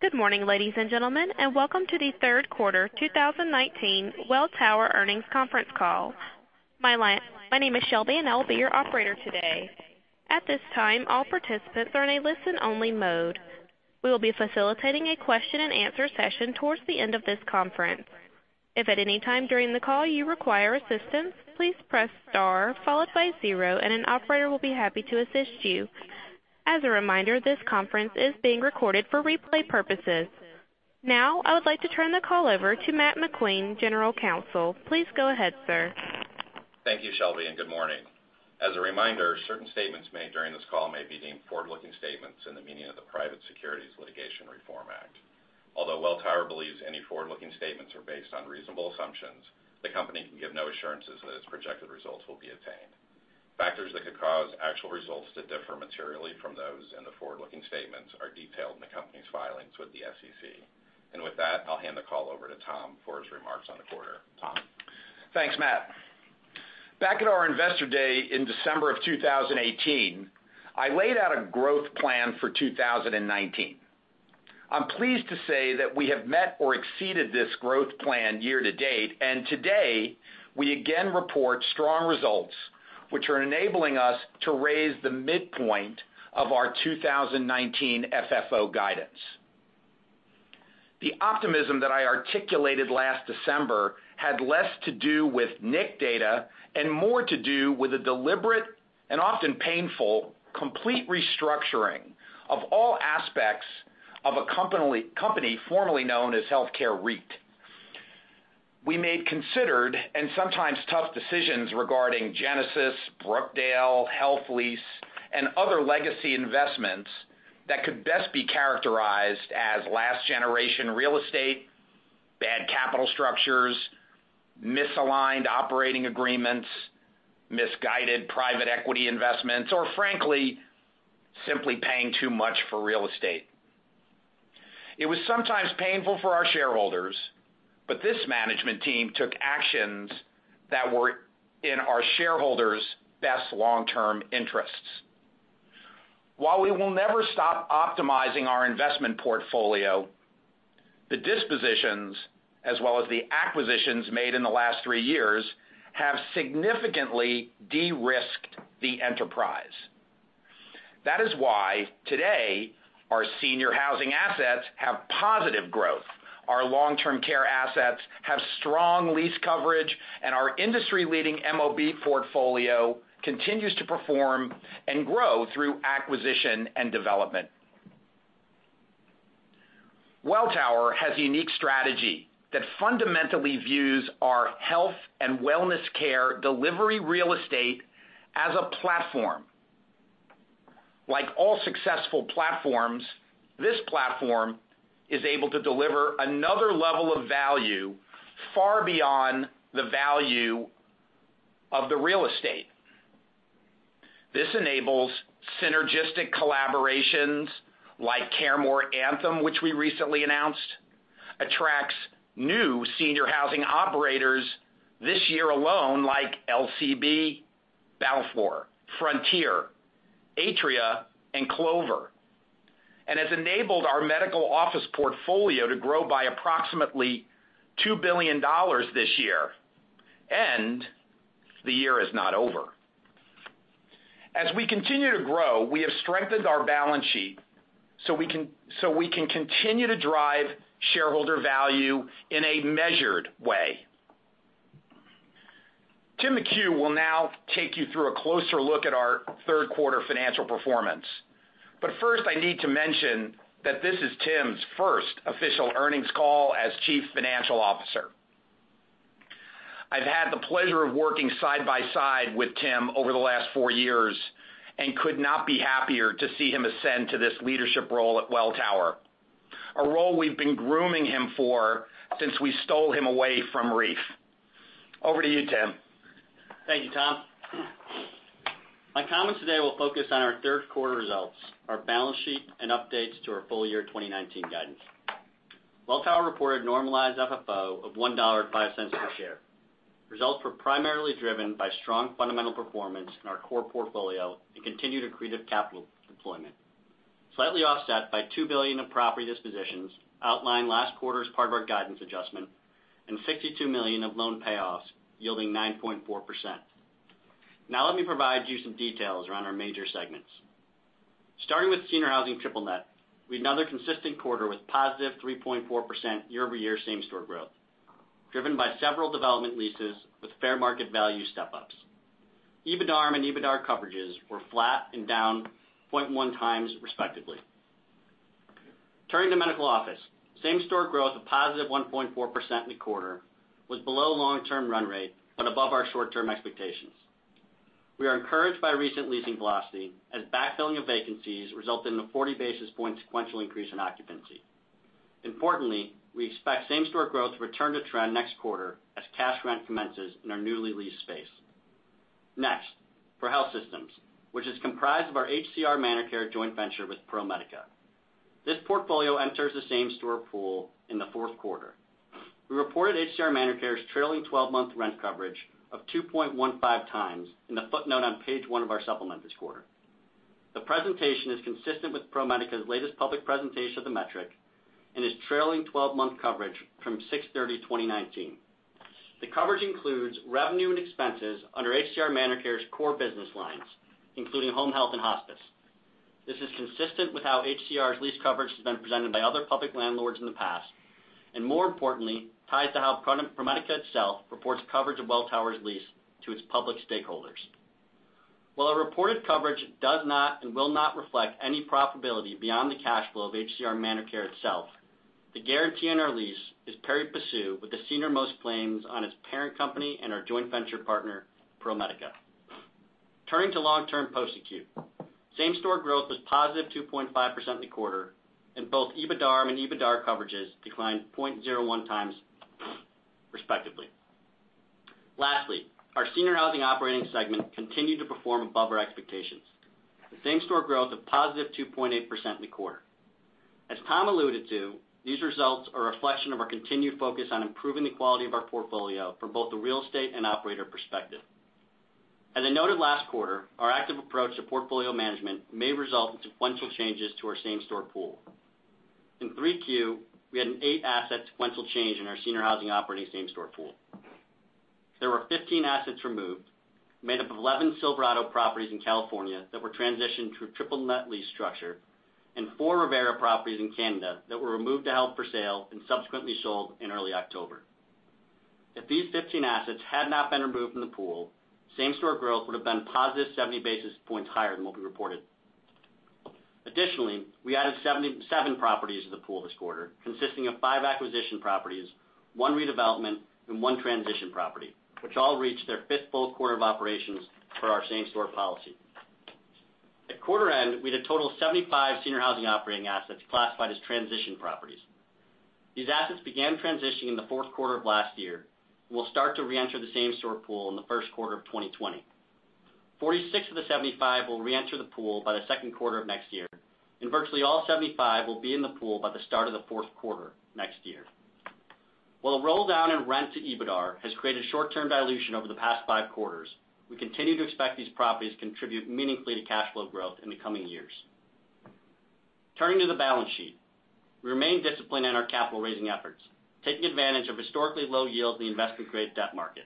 Good morning, ladies and gentlemen, and welcome to the third quarter 2019 Welltower earnings conference call. My name is Shelby and I'll be your operator today. At this time, all participants are in a listen-only mode. We will be facilitating a question and answer session towards the end of this conference. If at any time during the call you require assistance, please press star followed by zero, and an operator will be happy to assist you. As a reminder, this conference is being recorded for replay purposes. Now, I would like to turn the call over to Matthew McQueen, General Counsel. Please go ahead, sir. Thank you, Shelby, good morning. As a reminder, certain statements made during this call may be deemed forward-looking statements in the meaning of the Private Securities Litigation Reform Act. Although Welltower believes any forward-looking statements are based on reasonable assumptions, the company can give no assurances that its projected results will be obtained. Factors that could cause actual results to differ materially from those in the forward-looking statements are detailed in the company's filings with the SEC. With that, I'll hand the call over to Tom for his remarks on the quarter. Tom? Thanks, Matt. Back at our investor day in December of 2018, I laid out a growth plan for 2019. I'm pleased to say that we have met or exceeded this growth plan year to date. Today, we again report strong results, which are enabling us to raise the midpoint of our 2019 FFO guidance. The optimism that I articulated last December had less to do with NIC data and more to do with a deliberate and often painful, complete restructuring of all aspects of a company formerly known as Healthcare REIT. We made considered and sometimes tough decisions regarding Genesis, Brookdale, HealthLease, and other legacy investments that could best be characterized as last-generation real estate, bad capital structures, misaligned operating agreements, misguided private equity investments, or frankly, simply paying too much for real estate. It was sometimes painful for our shareholders, but this management team took actions that were in our shareholders' best long-term interests. While we will never stop optimizing our investment portfolio, the dispositions as well as the acquisitions made in the last three years have significantly de-risked the enterprise. That is why today, our senior housing assets have positive growth, our long-term care assets have strong lease coverage, and our industry-leading MOB portfolio continues to perform and grow through acquisition and development. Welltower has a unique strategy that fundamentally views our health and wellness care delivery real estate as a platform. Like all successful platforms, this platform is able to deliver another level of value far beyond the value of the real estate. This enables synergistic collaborations like CareMore Anthem, which we recently announced, attracts new senior housing operators this year alone, like LCB, Balfour, Frontier, Atria, and Clover, and has enabled our medical office portfolio to grow by approximately $2 billion this year, and the year is not over. As we continue to grow, we have strengthened our balance sheet so we can continue to drive shareholder value in a measured way. Tim McHugh will now take you through a closer look at our third quarter financial performance. First, I need to mention that this is Tim's first official earnings call as Chief Financial Officer. I've had the pleasure of working side by side with Tim over the last four years and could not be happier to see him ascend to this leadership role at Welltower, a role we've been grooming him for since we stole him away from REIT. Over to you, Tim. Thank you, Tom. My comments today will focus on our third quarter results, our balance sheet, and updates to our full year 2019 guidance. Welltower reported normalized FFO of $1.05 per share. Results were primarily driven by strong fundamental performance in our core portfolio and continued accretive capital deployment, slightly offset by $2 billion of property dispositions outlined last quarter as part of our guidance adjustment and $62 million of loan payoffs yielding 9.4%. Let me provide you some details around our major segments. Starting with senior housing triple net, we had another consistent quarter with positive 3.4% year-over-year same-store growth, driven by several development leases with fair market value step-ups. EBITDAR and EBITDAR coverages were flat and down 0.1 times respectively. Turning to medical office. Same-store growth of positive 1.4% in the quarter was below long-term run rate, above our short-term expectations. We are encouraged by recent leasing velocity as backfilling of vacancies resulted in a 40 basis point sequential increase in occupancy. We expect same-store growth to return to trend next quarter as cash rent commences in our newly leased space. For health systems, which is comprised of our HCR ManorCare joint venture with ProMedica. This portfolio enters the same-store pool in the fourth quarter. We reported HCR ManorCare's trailing 12-month rent coverage of 2.15 times in the footnote on page one of our supplement this quarter. The presentation is consistent with ProMedica's latest public presentation of the metric and is trailing 12-month coverage from 6/30/2019. The coverage includes revenue and expenses under HCR ManorCare's core business lines, including home health and hospice. This is consistent with how HCR's lease coverage has been presented by other public landlords in the past, and more importantly, ties to how ProMedica itself reports coverage of Welltower's lease to its public stakeholders. While a reported coverage does not and will not reflect any profitability beyond the cash flow of HCR ManorCare itself, the guarantee on our lease is pari passu with the senior most claims on its parent company and our joint venture partner, ProMedica. Turning to long-term post-acute. Same-store growth was positive 2.5% in the quarter, and both EBITDAR and EBITDAR coverages declined 0.01 times respectively. Lastly, our senior housing operating segment continued to perform above our expectations. The same-store growth of positive 2.8% in the quarter. As Tom alluded to, these results are a reflection of our continued focus on improving the quality of our portfolio from both the real estate and operator perspective. As I noted last quarter, our active approach to portfolio management may result in sequential changes to our same-store pool. In 3Q, we had an eight-asset sequential change in our senior housing operating same-store pool. There were 15 assets removed, made up of 11 Silverado properties in California that were transitioned to a triple net lease structure, and four Revera properties in Canada that were removed held for sale and subsequently sold in early October. If these 15 assets had not been removed from the pool, same-store growth would have been positive 70 basis points higher than what we reported. Additionally, we added 77 properties to the pool this quarter, consisting of five acquisition properties, one redevelopment, and one transition property, which all reached their fifth full quarter of operations for our same-store policy. At quarter end, we had a total of 75 senior housing operating assets classified as transition properties. These assets began transitioning in the fourth quarter of last year and will start to reenter the same-store pool in the first quarter of 2020. 46 of the 75 will reenter the pool by the second quarter of next year, and virtually all 75 will be in the pool by the start of the fourth quarter next year. While the roll-down in rent to EBITDA has created short-term dilution over the past five quarters, we continue to expect these properties to contribute meaningfully to cash flow growth in the coming years. Turning to the balance sheet. We remain disciplined in our capital-raising efforts, taking advantage of historically low yields in the investment-grade debt market.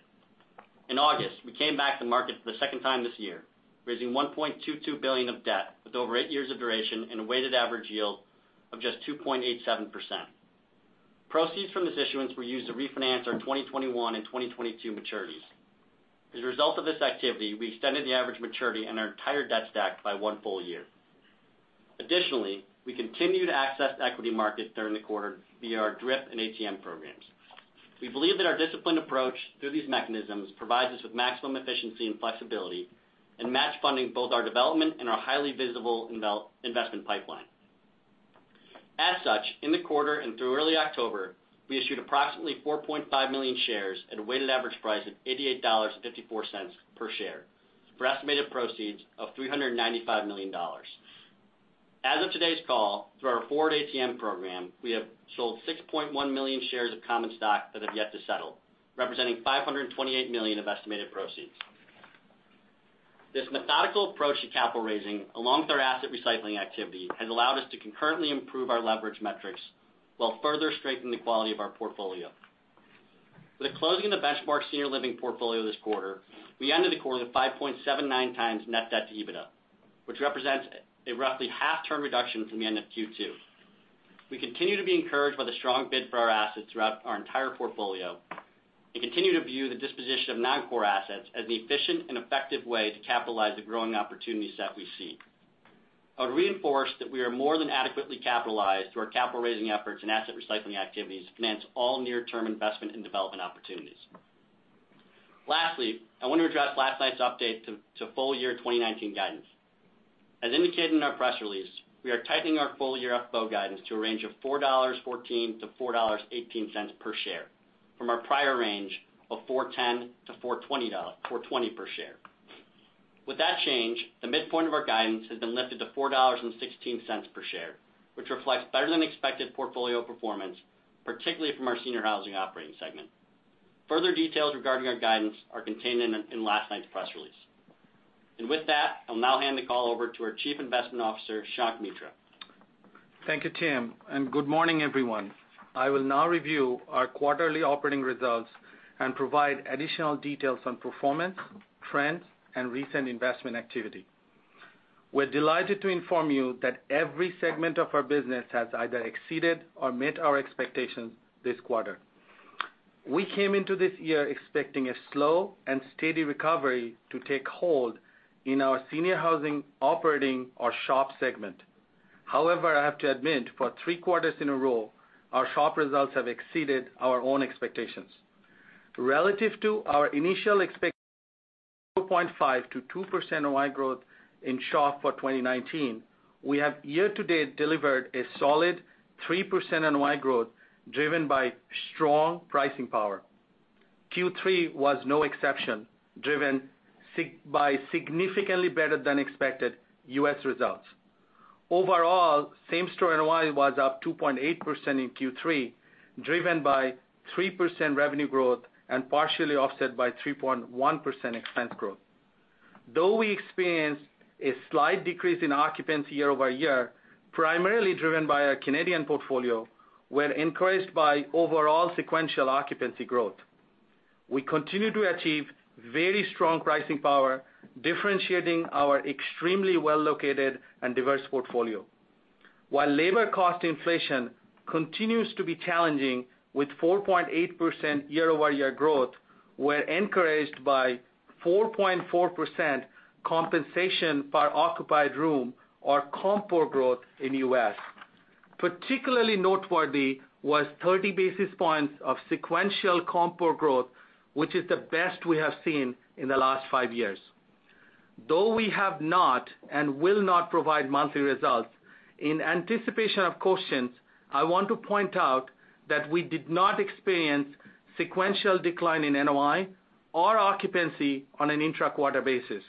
In August, we came back to the market for the second time this year, raising $1.22 billion of debt with over eight years of duration and a weighted average yield of just 2.87%. Proceeds from this issuance were used to refinance our 2021 and 2022 maturities. As a result of this activity, we extended the average maturity in our entire debt stack by one full year. We continue to access the equity market during the quarter via our DRIP and ATM programs. We believe that our disciplined approach through these mechanisms provides us with maximum efficiency and flexibility in match funding both our development and our highly visible investment pipeline. In the quarter and through early October, we issued approximately 4.5 million shares at a weighted average price of $88.54 per share for estimated proceeds of $395 million. As of today's call, through our forward ATM program, we have sold 6.1 million shares of common stock that have yet to settle, representing $528 million of estimated proceeds. This methodical approach to capital raising, along with our asset recycling activity, has allowed us to concurrently improve our leverage metrics while further strengthening the quality of our portfolio. With the closing of the Benchmark Senior Living portfolio this quarter, we ended the quarter with 5.79 times net debt to EBITDA, which represents a roughly half-term reduction from the end of Q2. We continue to be encouraged by the strong bid for our assets throughout our entire portfolio and continue to view the disposition of non-core assets as the efficient and effective way to capitalize the growing opportunities set we see. I would reinforce that we are more than adequately capitalized through our capital-raising efforts and asset recycling activities to finance all near-term investment and development opportunities. Lastly, I want to address last night's update to full year 2019 guidance. As indicated in our press release, we are tightening our full year FFO guidance to a range of $4.14-$4.18 per share from our prior range of $4.10-$4.20 per share. With that change, the midpoint of our guidance has been lifted to $4.16 per share, which reflects better-than-expected portfolio performance, particularly from our senior housing operating segment. Further details regarding our guidance are contained in last night's press release. With that, I'll now hand the call over to our Chief Investment Officer, Shankh Mitra. Thank you, Tim, and good morning, everyone. I will now review our quarterly operating results and provide additional details on performance, trends, and recent investment activity. We're delighted to inform you that every segment of our business has either exceeded or met our expectations this quarter. We came into this year expecting a slow and steady recovery to take hold in our senior housing operating or SHOP segment. I have to admit, for three quarters in a row, our SHOP results have exceeded our own expectations. Relative to our initial expectations of 0.5%-2% NOI growth in SHOP for 2019, we have year-to-date delivered a solid 3% NOI growth driven by strong pricing power. Q3 was no exception, driven by significantly better than expected U.S. results. Overall, same-store NOI was up 2.8% in Q3, driven by 3% revenue growth and partially offset by 3.1% expense growth. Though we experienced a slight decrease in occupancy year-over-year, primarily driven by our Canadian portfolio, we're encouraged by overall sequential occupancy growth. We continue to achieve very strong pricing power, differentiating our extremely well-located and diverse portfolio. While labor cost inflation continues to be challenging with 4.8% year-over-year growth, we're encouraged by 4.4% compensation per occupied room or compo growth in U.S. Particularly noteworthy was 30 basis points of sequential compo growth, which is the best we have seen in the last five years. Though we have not and will not provide monthly results, in anticipation of questions, I want to point out that we did not experience sequential decline in NOI or occupancy on an intra-quarter basis.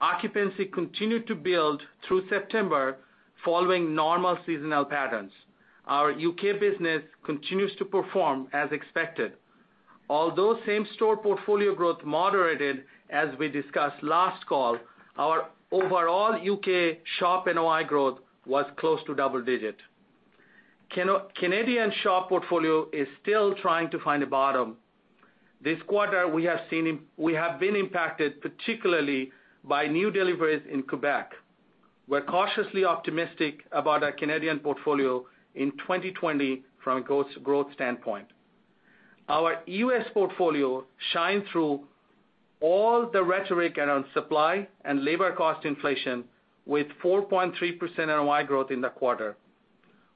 Occupancy continued to build through September following normal seasonal patterns. Our U.K. business continues to perform as expected. Although same-store portfolio growth moderated, as we discussed last call, our overall U.K. SHOP NOI growth was close to double-digit. Canadian SHOP portfolio is still trying to find a bottom. This quarter, we have been impacted particularly by new deliveries in Quebec. We're cautiously optimistic about our Canadian portfolio in 2020 from a growth standpoint. Our U.S. portfolio shined through all the rhetoric around supply and labor cost inflation with 4.3% NOI growth in the quarter.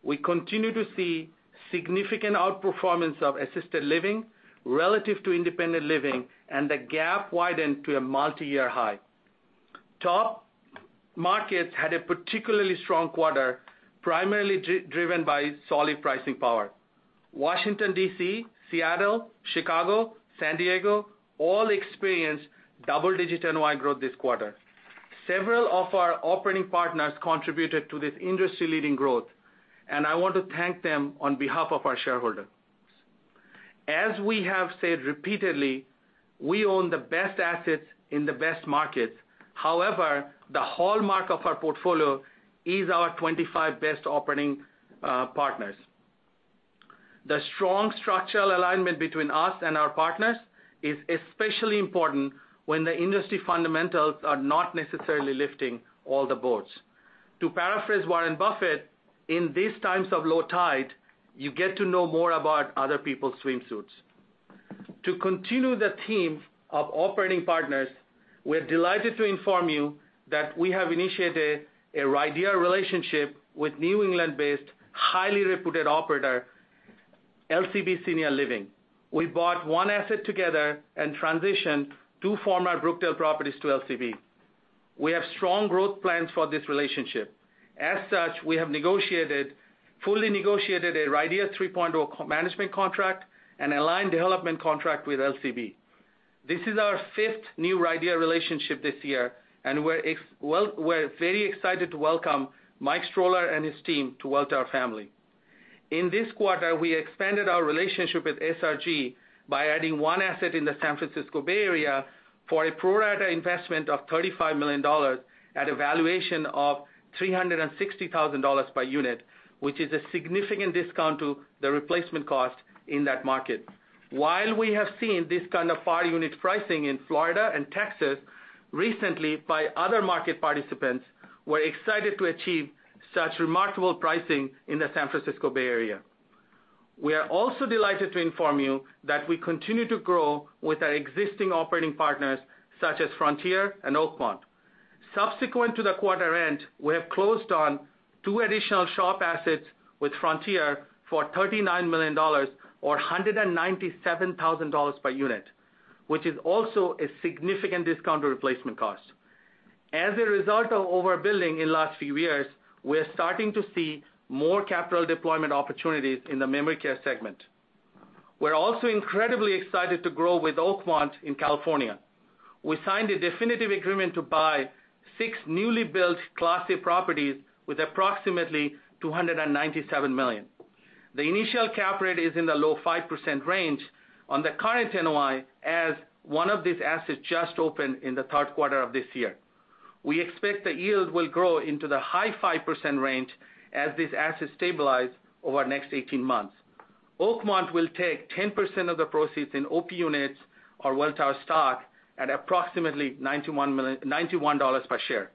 We continue to see significant outperformance of assisted living relative to independent living, and the gap widened to a multi-year high. Top markets had a particularly strong quarter, primarily driven by solid pricing power. Washington, D.C., Seattle, Chicago, San Diego all experienced double-digit NOI growth this quarter. Several of our operating partners contributed to this industry-leading growth, and I want to thank them on behalf of our shareholders. As we have said repeatedly, we own the best assets in the best markets. The hallmark of our portfolio is our 25 best operating partners. The strong structural alignment between us and our partners is especially important when the industry fundamentals are not necessarily lifting all the boards. To paraphrase Warren Buffett, in these times of low tide, you get to know more about other people's swimsuits. To continue the theme of operating partners, we're delighted to inform you that we have initiated a RIDEA relationship with New England-based, highly reputed operator, LCB Senior Living. We bought one asset together and transitioned two former Brookdale properties to LCB. We have strong growth plans for this relationship. We have fully negotiated a RIDEA 3.0 management contract and aligned development contract with LCB. This is our fifth new RIDEA relationship this year. We're very excited to welcome Mike Stoller and his team to Welltower family. In this quarter, we expanded our relationship with SRG by adding one asset in the San Francisco Bay Area for a pro-rata investment of $35 million at a valuation of $360,000 per unit, which is a significant discount to the replacement cost in that market. While we have seen this kind of per-unit pricing in Florida and Texas recently by other market participants, we're excited to achieve such remarkable pricing in the San Francisco Bay Area. We are also delighted to inform you that we continue to grow with our existing operating partners, such as Frontier and Oakmont. Subsequent to the quarter end, we have closed on two additional SHOP assets with Frontier for $39 million or $197,000 per unit, which is also a significant discount to replacement cost. As a result of overbuilding in last few years, we are starting to see more capital deployment opportunities in the memory care segment. We're also incredibly excited to grow with Oakmont in California. We signed a definitive agreement to buy six newly built Class A properties with approximately $297 million. The initial cap rate is in the low 5% range on the current NOI as one of these assets just opened in the third quarter of this year. We expect the yield will grow into the high 5% range as these assets stabilize over the next 18 months. Oakmont will take 10% of the proceeds in OP units or Welltower stock at approximately $91 per share.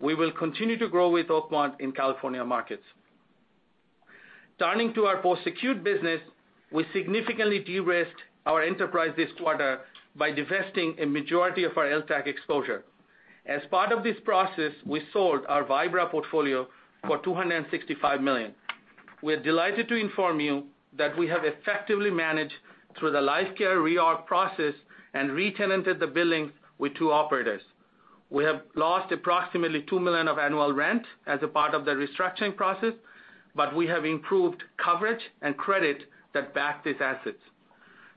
We will continue to grow with Oakmont in California markets. Turning to our post-acute business, we significantly de-risked our enterprise this quarter by divesting a majority of our LTAC exposure. As part of this process, we sold our Vibra portfolio for $265 million. We are delighted to inform you that we have effectively managed through the LifeCare reorg process and re-tenanted the buildings with two operators. We have lost approximately $2 million of annual rent as a part of the restructuring process, we have improved coverage and credit that back these assets.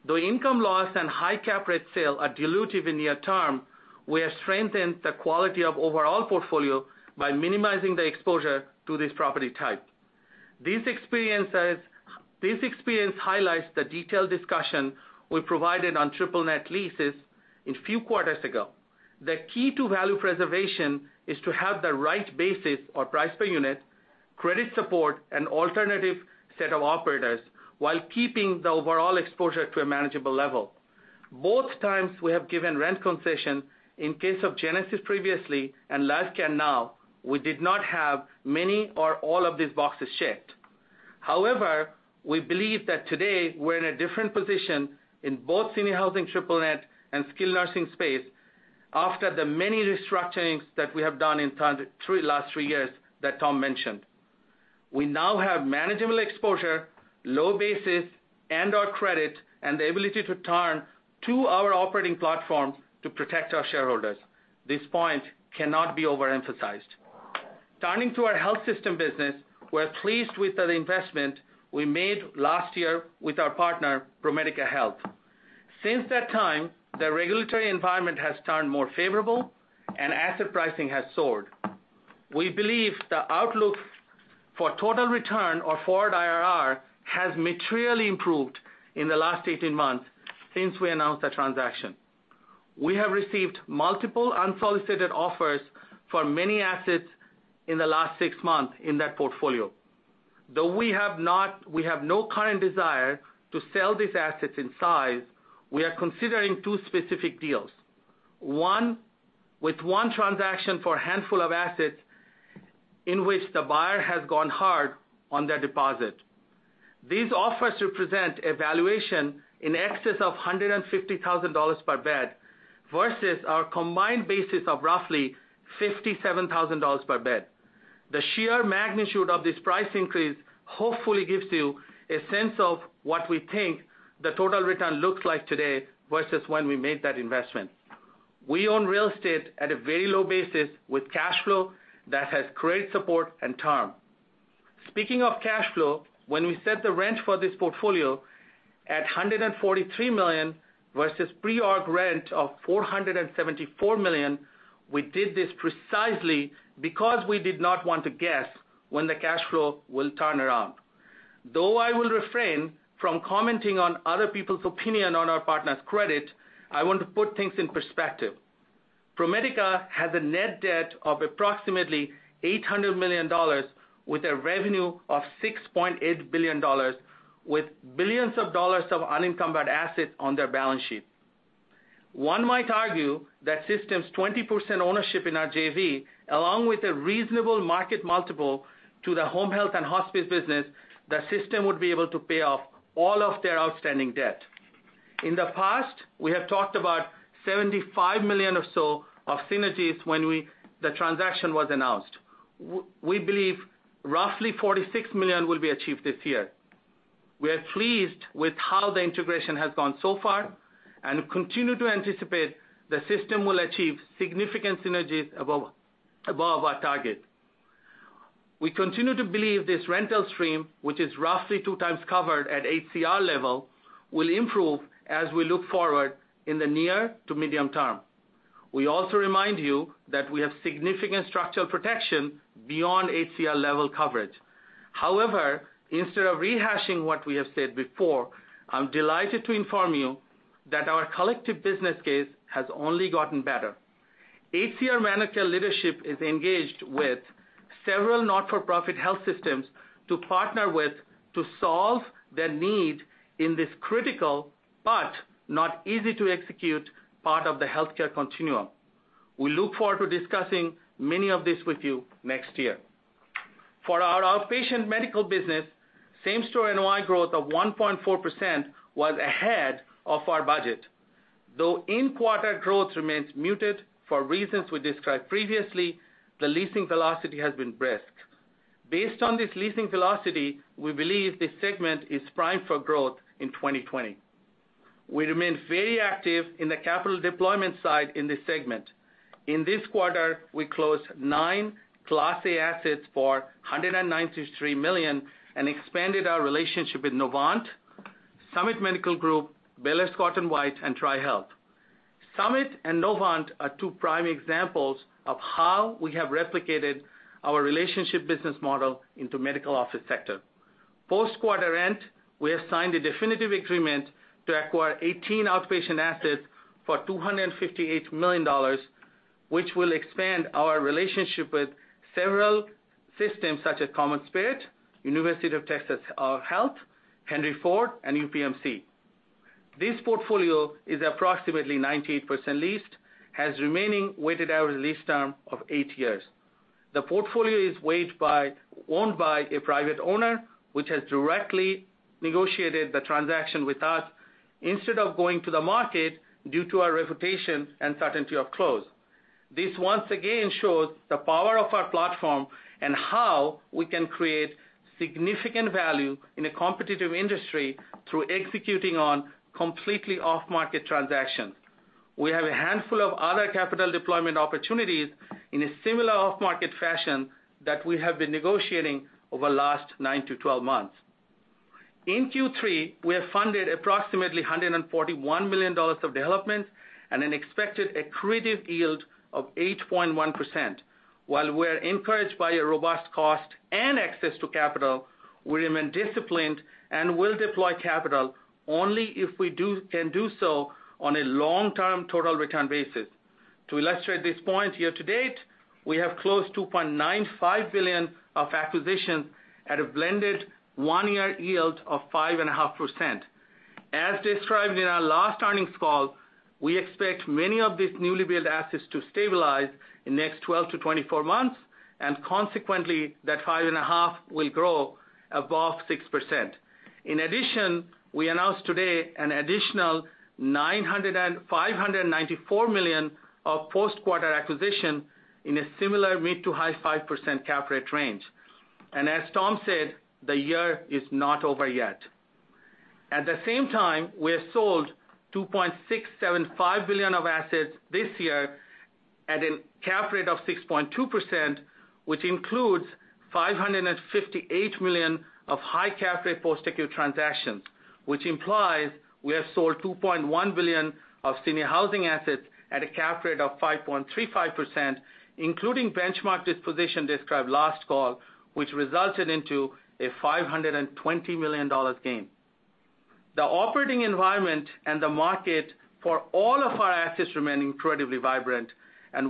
Though income loss and high cap rate sale are dilutive in near term, we have strengthened the quality of overall portfolio by minimizing the exposure to this property type. This experience highlights the detailed discussion we provided on triple net leases a few quarters ago. The key to value preservation is to have the right basis or price per unit, credit support, and alternative set of operators, while keeping the overall exposure to a manageable level. Both times we have given rent concession, in case of Genesis previously and LTAC now, we did not have many or all of these boxes checked. However, we believe that today we're in a different position in both senior housing triple net and skilled nursing space after the many restructurings that we have done in the last three years that Tom mentioned. We now have manageable exposure, low basis and/or credit, and the ability to turn to our operating platform to protect our shareholders. This point cannot be overemphasized. Turning to our health system business, we're pleased with the investment we made last year with our partner, ProMedica Health. Since that time, the regulatory environment has turned more favorable and asset pricing has soared. We believe the outlook for total return or forward IRR has materially improved in the last 18 months since we announced the transaction. We have received multiple unsolicited offers for many assets in the last six months in that portfolio. Though we have no current desire to sell these assets in size, we are considering two specific deals. One, with one transaction for a handful of assets in which the buyer has gone hard on their deposit. These offers represent a valuation in excess of $150,000 per bed, versus our combined basis of roughly $57,000 per bed. The sheer magnitude of this price increase hopefully gives you a sense of what we think the total return looks like today versus when we made that investment. We own real estate at a very low basis with cash flow that has great support and term. Speaking of cash flow, when we set the rent for this portfolio at $143 million versus pre-org rent of $474 million, we did this precisely because we did not want to guess when the cash flow will turn around. Though I will refrain from commenting on other people's opinion on our partner's credit, I want to put things in perspective. ProMedica has a net debt of approximately $800 million with a revenue of $6.8 billion, with billions of dollars of unencumbered assets on their balance sheet. One might argue that system's 20% ownership in our JV, along with a reasonable market multiple to the home health and hospice business, the system would be able to pay off all of their outstanding debt. In the past, we have talked about $75 million or so of synergies when the transaction was announced. We believe roughly $46 million will be achieved this year. We are pleased with how the integration has gone so far and continue to anticipate the system will achieve significant synergies above our target. We continue to believe this rental stream, which is roughly two times covered at HCR level, will improve as we look forward in the near to medium term. We also remind you that we have significant structural protection beyond HCR level coverage. Instead of rehashing what we have said before, I'm delighted to inform you that our collective business case has only gotten better. HCR managed care leadership is engaged with several not-for-profit health systems to partner with to solve their need in this critical but not easy to execute part of the healthcare continuum. We look forward to discussing many of this with you next year. In-quarter growth remains muted for reasons we described previously, the leasing velocity has been brisk. Based on this leasing velocity, we believe this segment is primed for growth in 2020. We remain very active in the capital deployment side in this segment. In this quarter, we closed 9 Class A assets for $193 million and expanded our relationship with Novant, Summit Medical Group, Baylor Scott & White, and TriHealth. Summit and Novant are two prime examples of how we have replicated our relationship business model into medical office sector. Post-quarter end, we have signed a definitive agreement to acquire 18 outpatient assets for $258 million, which will expand our relationship with several systems such as CommonSpirit, University of Texas Health, Henry Ford, and UPMC. This portfolio is approximately 98% leased, has remaining weighted average lease term of eight years. The portfolio is owned by a private owner, which has directly negotiated the transaction with us instead of going to the market due to our reputation and certainty of close. This once again shows the power of our platform and how we can create significant value in a competitive industry through executing on completely off-market transactions. We have a handful of other capital deployment opportunities in a similar off-market fashion that we have been negotiating over the last nine to 12 months. In Q3, we have funded approximately $141 million of development and an expected accretive yield of 8.1%. While we are encouraged by a robust cost and access to capital, we remain disciplined and will deploy capital only if we can do so on a long-term total return basis. To illustrate this point, year to date, we have close to $2.95 billion of acquisition at a blended one-year yield of 5.5%. As described in our last earnings call, we expect many of these newly built assets to stabilize in the next 12 to 24 months. Consequently, that 5.5% will grow above 6%. In addition, we announced today an additional $594 million of post-quarter acquisition in a similar mid to high 5% cap rate range. As Tom said, the year is not over yet. At the same time, we have sold $2.675 billion of assets this year at a cap rate of 6.2%, which includes $558 million of high cap rate post-acute transactions, which implies we have sold $2.1 billion of senior housing assets at a cap rate of 5.35%, including Benchmark disposition described last call, which resulted into a $520 million gain. The operating environment and the market for all of our assets remain incredibly vibrant,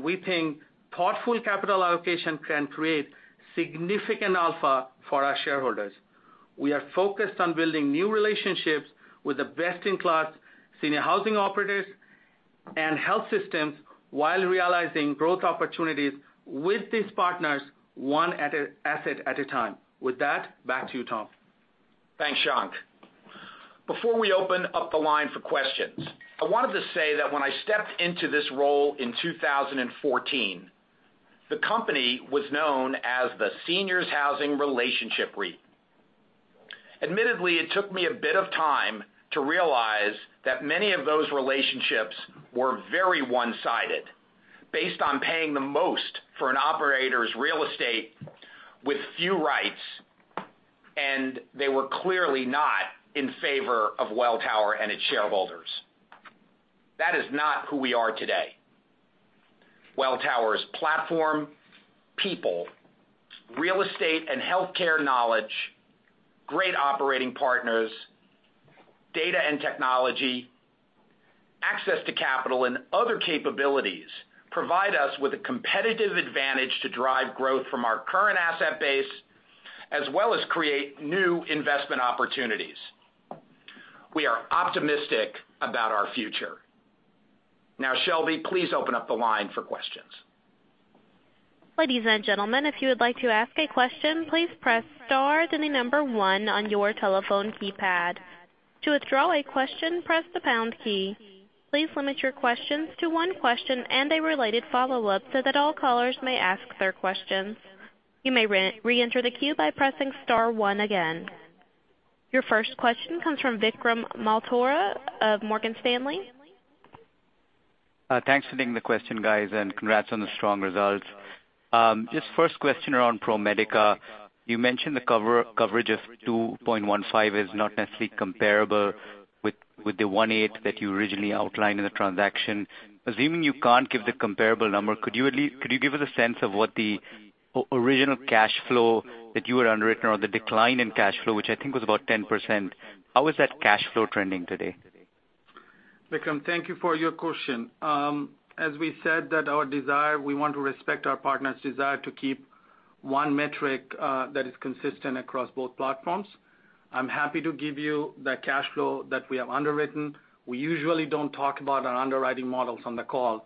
we think thoughtful capital allocation can create significant alpha for our shareholders. We are focused on building new relationships with the best-in-class senior housing operators and health systems while realizing growth opportunities with these partners one asset at a time. With that, back to you, Tom. Thanks, Shankh. Before we open up the line for questions, I wanted to say that when I stepped into this role in 2014, the company was known as the seniors housing relationship REIT. Admittedly, it took me a bit of time to realize that many of those relationships were very one-sided, based on paying the most for an operator's real estate with few rights, and they were clearly not in favor of Welltower and its shareholders. That is not who we are today. Welltower's platform, people, real estate and healthcare knowledge, great operating partners, data and technology, access to capital, and other capabilities provide us with a competitive advantage to drive growth from our current asset base, as well as create new investment opportunities. We are optimistic about our future. Shelby, please open up the line for questions. Ladies and gentlemen, if you would like to ask a question, please press star, then the number 1 on your telephone keypad. To withdraw a question, press the pound key. Please limit your questions to one question and a related follow-up so that all callers may ask their questions. You may reenter the queue by pressing star 1 again. Your first question comes from Vikram Malhotra of Morgan Stanley. Thanks for taking the question, guys. Congrats on the strong results. Just first question around ProMedica. You mentioned the coverage of 2.15 is not necessarily comparable with the 1.8 that you originally outlined in the transaction. Assuming you can't give the comparable number, could you give us a sense of what the original cash flow that you had underwritten or the decline in cash flow, which I think was about 10%, how is that cash flow trending today? Vikram, thank you for your question. As we said, we want to respect our partner's desire to keep one metric that is consistent across both platforms. I'm happy to give you the cash flow that we have underwritten. We usually don't talk about our underwriting models on the call.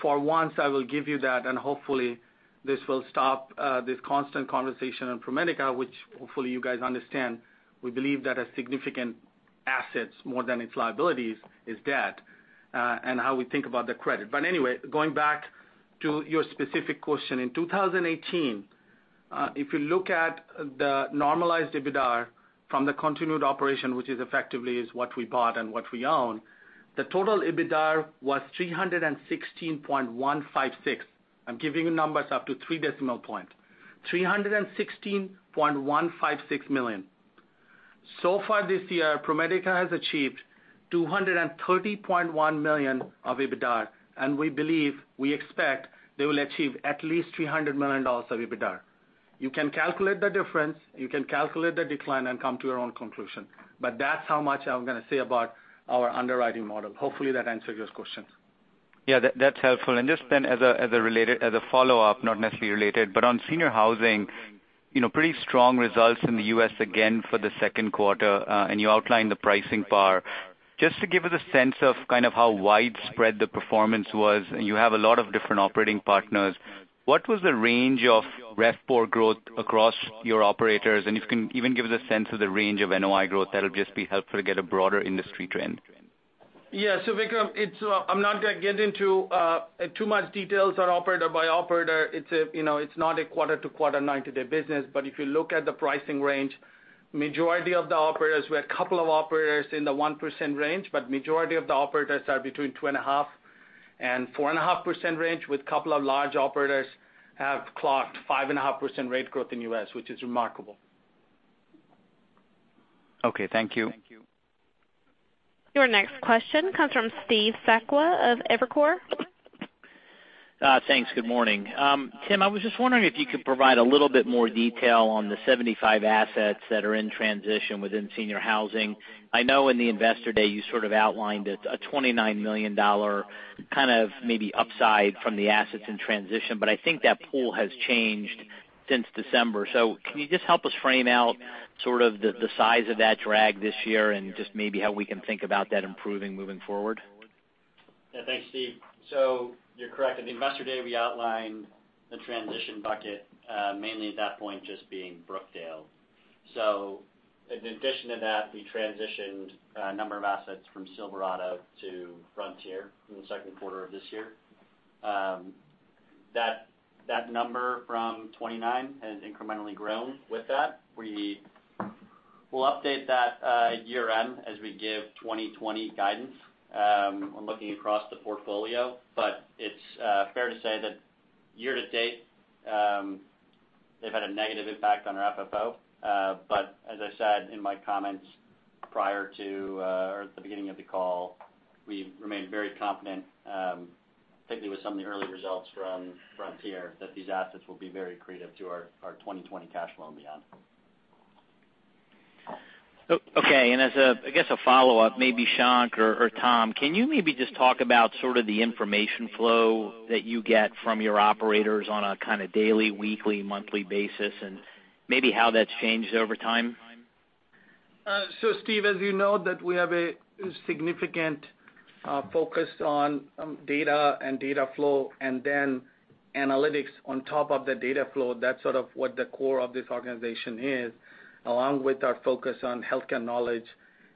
For once, I will give you that, and hopefully, this will stop this constant conversation on ProMedica, which hopefully you guys understand we believe that as significant assets more than its liabilities is debt and how we think about the credit. Anyway, going back to your specific question. In 2018, if you look at the normalized EBITDA from the continued operation, which is effectively is what we bought and what we own, the total EBITDA was $316.156. I'm giving you numbers up to three decimal point, $316.156 million. Far this year, ProMedica has achieved $230.1 million of EBITDA, and we expect they will achieve at least $300 million of EBITDA. You can calculate the difference, you can calculate the decline and come to your own conclusion. That's how much I'm going to say about our underwriting model. Hopefully that answers your question. That's helpful. Just then as a follow-up, not necessarily related, but on senior housing, pretty strong results in the U.S. again for the second quarter, and you outlined the pricing power. Just to give us a sense of kind of how widespread the performance was, and you have a lot of different operating partners, what was the range of RevPAR growth across your operators? If you can even give us a sense of the range of NOI growth, that'll just be helpful to get a broader industry trend. Vikram, I'm not going to get into too much details on operator by operator. It's not a quarter-to-quarter 90-day business. If you look at the pricing range, majority of the operators, we have a couple of operators in the 1% range, but majority of the operators are between 2.5%-4.5% range with a couple of large operators have clocked 5.5% rate growth in U.S., which is remarkable. Okay. Thank you. Your next question comes from Steve Sakwa of Evercore. Thanks. Good morning. Tim, I was just wondering if you could provide a little bit more detail on the 75 assets that are in transition within senior housing. I know in the investor day you sort of outlined it, a $29 million kind of maybe upside from the assets in transition, but I think that pool has changed since December. Can you just help us frame out sort of the size of that drag this year and just maybe how we can think about that improving moving forward? Yeah. Thanks, Steve. You're correct. At the Investor Day, we outlined the transition bucket, mainly at that point just being Brookdale. In addition to that, we transitioned a number of assets from Silverado to Frontier in the second quarter of this year. That number from 29 has incrementally grown with that. We will update that at year-end as we give 2020 guidance when looking across the portfolio. It's fair to say that year-to-date, they've had a negative impact on our FFO. As I said in my comments prior to or at the beginning of the call, we remain very confident, particularly with some of the early results from Frontier, that these assets will be very accretive to our 2020 cash flow and beyond. Okay. As, I guess, a follow-up, maybe Shankh or Tom, can you maybe just talk about sort of the information flow that you get from your operators on a kind of daily, weekly, monthly basis, and maybe how that's changed over time? Steve, as you know that we have a significant focus on data and data flow and then analytics on top of the data flow. That's sort of what the core of this organization is, along with our focus on healthcare knowledge,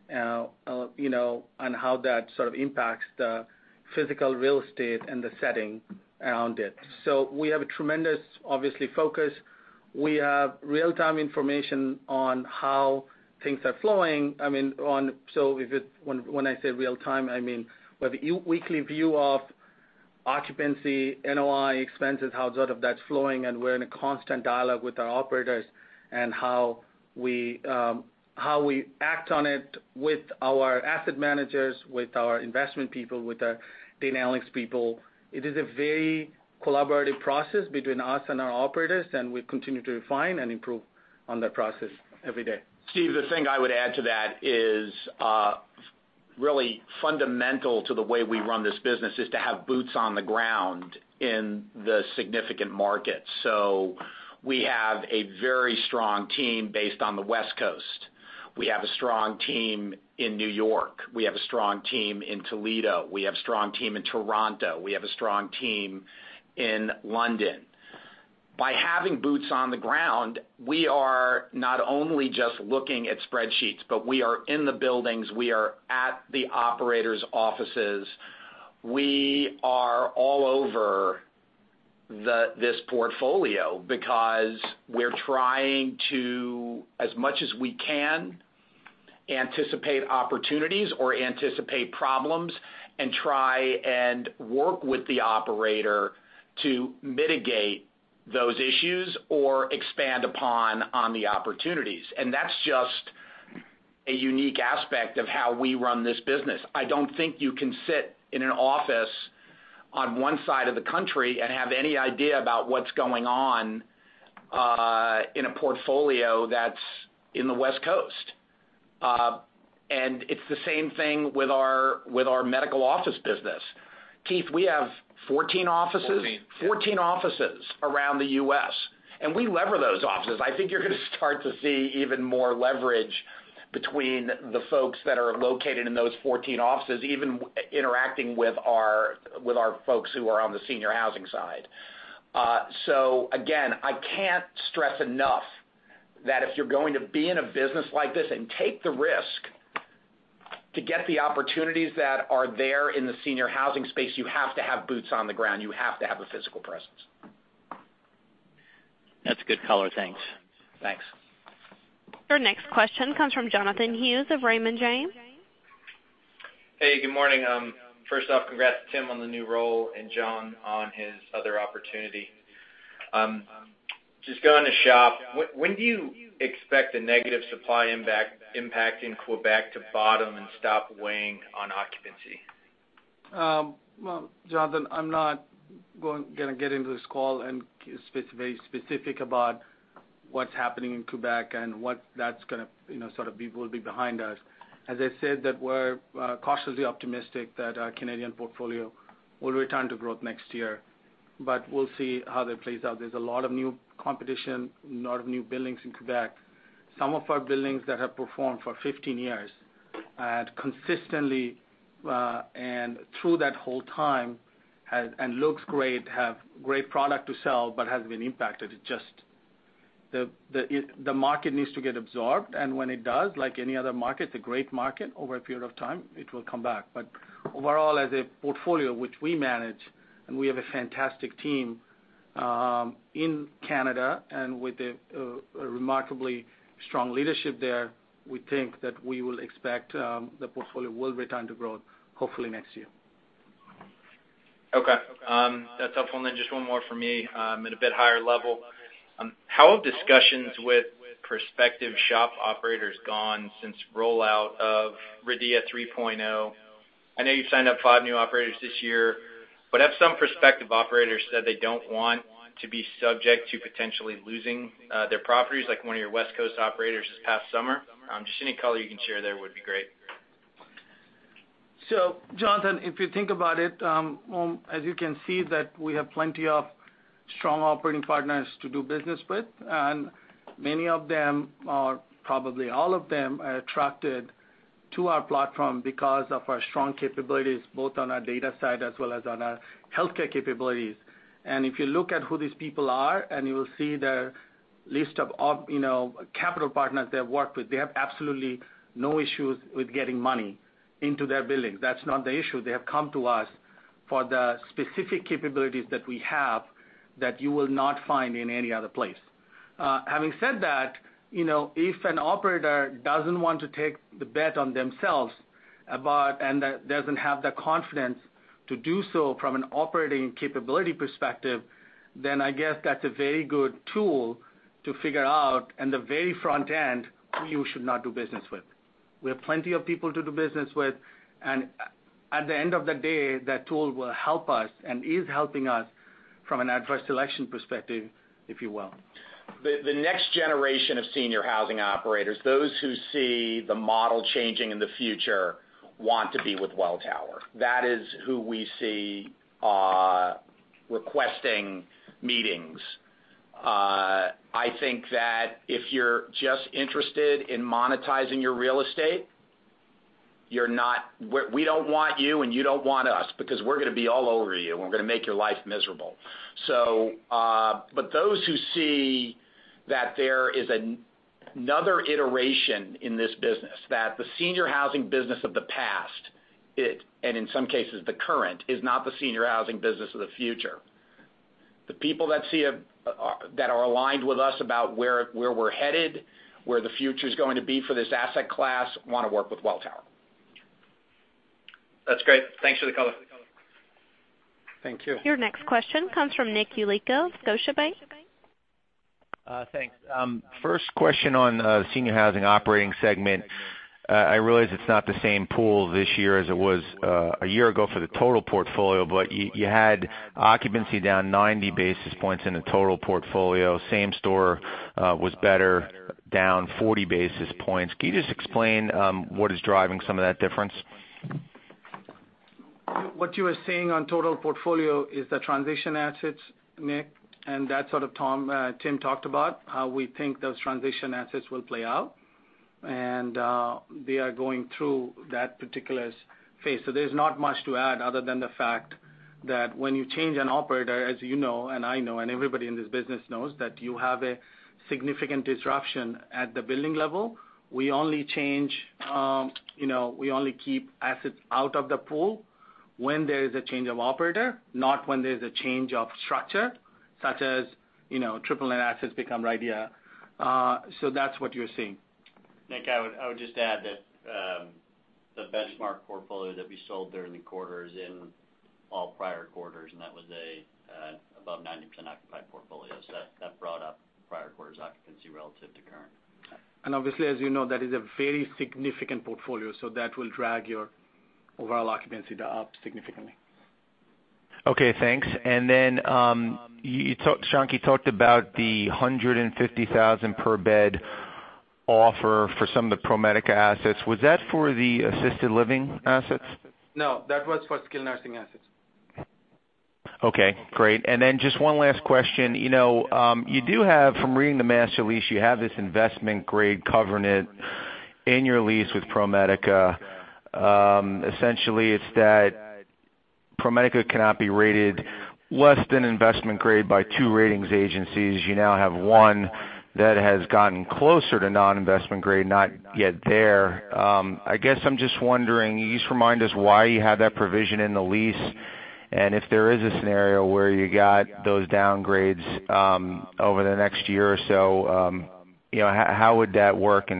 and how that sort of impacts the physical real estate and the setting around it. We have a tremendous, obviously, focus. We have real-time information on how things are flowing. When I say real time, I mean, we have a weekly view of occupancy, NOI expenses, how sort of that's flowing, and we're in a constant dialogue with our operators on how we act on it with our asset managers, with our investment people, with our data analytics people. It is a very collaborative process between us and our operators, and we continue to refine and improve on that process every day. Steve, the thing I would add to that is really fundamental to the way we run this business is to have boots on the ground in the significant markets. We have a very strong team based on the West Coast. We have a strong team in New York. We have a strong team in Toledo. We have a strong team in Toronto. We have a strong team in London. By having boots on the ground, we are not only just looking at spreadsheets, but we are in the buildings. We are at the operators' offices. We are all over this portfolio because we're trying to, as much as we can, anticipate opportunities or anticipate problems and try and work with the operator to mitigate those issues or expand upon the opportunities. That's just a unique aspect of how we run this business. I don't think you can sit in an office on one side of the country and have any idea about what's going on in a portfolio that's in the West Coast. It's the same thing with our medical office business. Keith, we have 14 offices? 14, yeah. 14 offices around the U.S., and we lever those offices. I think you're going to start to see even more leverage between the folks that are located in those 14 offices, even interacting with our folks who are on the senior housing side. Again, I can't stress enough that if you're going to be in a business like this and take the risk to get the opportunities that are there in the senior housing space, you have to have boots on the ground. You have to have a physical presence. That's a good color. Thanks. Thanks. Your next question comes from Jonathan Hughes of Raymond James. Hey, good morning. First off, congrats to Tim on the new role and John on his other opportunity. Just going to SHOP, when do you expect the negative supply impact in Quebec to bottom and stop weighing on occupancy? Well, Jonathan, I'm not going to get into this call and be very specific about what's happening in Quebec and what that's going to be behind us. As I said that we're cautiously optimistic that our Canadian portfolio will return to growth next year, but we'll see how that plays out. There's a lot of new competition, a lot of new buildings in Quebec. Some of our buildings that have performed for 15 years, consistently, and through that whole time and looks great, have great product to sell, but has been impacted. The market needs to get absorbed, and when it does, like any other market, it's a great market, over a period of time, it will come back. Overall, as a portfolio which we manage, and we have a fantastic team, in Canada and with a remarkably strong leadership there, we think that we will expect the portfolio will return to growth hopefully next year. Okay. That's helpful. Just one more from me, at a bit higher level. How have discussions with prospective SHOP operators gone since rollout of RIDEA 3.0? I know you've signed up five new operators this year, have some prospective operators said they don't want to be subject to potentially losing their properties, like one of your West Coast operators this past summer? Just any color you can share there would be great. Jonathan, if you think about it, as you can see that we have plenty of strong operating partners to do business with, many of them, or probably all of them, are attracted to our platform because of our strong capabilities, both on our data side as well as on our healthcare capabilities. If you look at who these people are, and you will see their list of capital partners they have worked with, they have absolutely no issues with getting money into their buildings. That's not the issue. They have come to us for the specific capabilities that we have that you will not find in any other place. Having said that, if an operator doesn't want to take the bet on themselves, and doesn't have the confidence to do so from an operating capability perspective, then I guess that's a very good tool to figure out in the very front end who you should not do business with. We have plenty of people to do business with, and at the end of the day, that tool will help us and is helping us from an adverse selection perspective, if you will. The next generation of senior housing operators, those who see the model changing in the future, want to be with Welltower. That is who we see requesting meetings. I think that if you're just interested in monetizing your real estate, we don't want you, and you don't want us, because we're going to be all over you, and we're going to make your life miserable. Those who see that there is another iteration in this business, that the senior housing business of the past, and in some cases the current, is not the senior housing business of the future. The people that are aligned with us about where we're headed, where the future's going to be for this asset class, want to work with Welltower. That's great. Thanks for the color. Thank you. Your next question comes from Nicholas Yulico, Scotiabank. Thanks. First question on the senior housing operating segment. I realize it's not the same pool this year as it was a year ago for the total portfolio, but you had occupancy down 90 basis points in the total portfolio. Same store was better down 40 basis points. Can you just explain what is driving some of that difference? What you were saying on total portfolio is the transition assets, Nick, and that's what Tim talked about, how we think those transition assets will play out. They are going through that particular phase. There's not much to add other than the fact that when you change an operator, as you know and I know and everybody in this business knows, that you have a significant disruption at the building level. We only keep assets out of the pool when there is a change of operator, not when there's a change of structure, such as triple net assets become RIDEA. That's what you're seeing. Nick, I would just add that the Benchmark portfolio that we sold during the quarter is in all prior quarters, and that was above 90% occupied portfolio. That brought up prior quarters occupancy relative to current. Obviously, as you know, that is a very significant portfolio, so that will drag your overall occupancy up significantly. Okay, thanks. Then, Shankh talked about the $150,000 per bed offer for some of the ProMedica assets. Was that for the assisted living assets? No. That was for skilled nursing assets. Okay, great. Just one last question. From reading the master lease, you have this investment-grade covenant in your lease with ProMedica. Essentially, it's that ProMedica cannot be rated less than investment grade by two ratings agencies. You now have one that has gotten closer to non-investment grade, not yet there. I guess I'm just wondering, can you just remind us why you have that provision in the lease? If there is a scenario where you got those downgrades over the next year or so, how would that work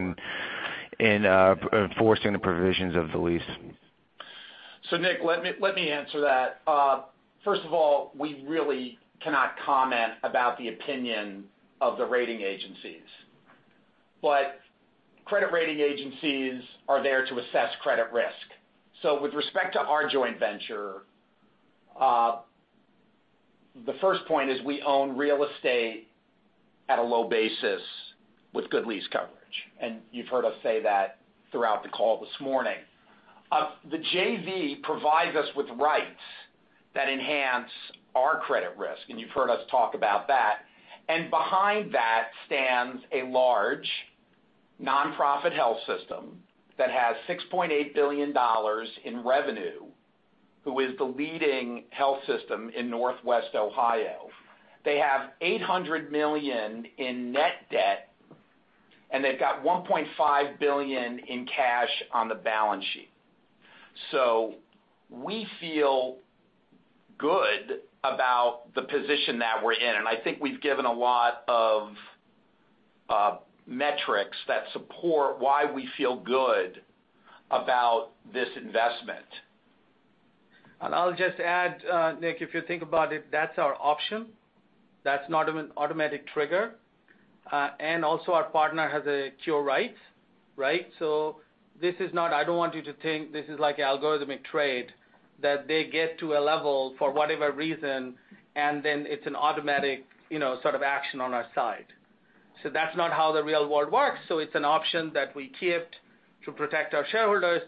in enforcing the provisions of the lease? Nick, let me answer that. First of all, we really cannot comment about the opinion of the rating agencies. Credit rating agencies are there to assess credit risk. With respect to our joint venture, the first point is we own real estate at a low basis with good lease coverage, and you've heard us say that throughout the call this morning. The JV provides us with rights that enhance our credit risk, and you've heard us talk about that. Behind that stands a large nonprofit health system that has $6.8 billion in revenue. Who is the leading health system in Northwest Ohio. They have $800 million in net debt, and they've got $1.5 billion in cash on the balance sheet. We feel good about the position that we're in, and I think we've given a lot of metrics that support why we feel good about this investment. I'll just add, Nick, if you think about it, that's our option. That's not an automatic trigger. Also, our partner has a cure right. This is not, I don't want you to think this is like algorithmic trade, that they get to a level for whatever reason, and then it's an automatic sort of action on our side. That's not how the real world works. It's an option that we kept to protect our shareholders.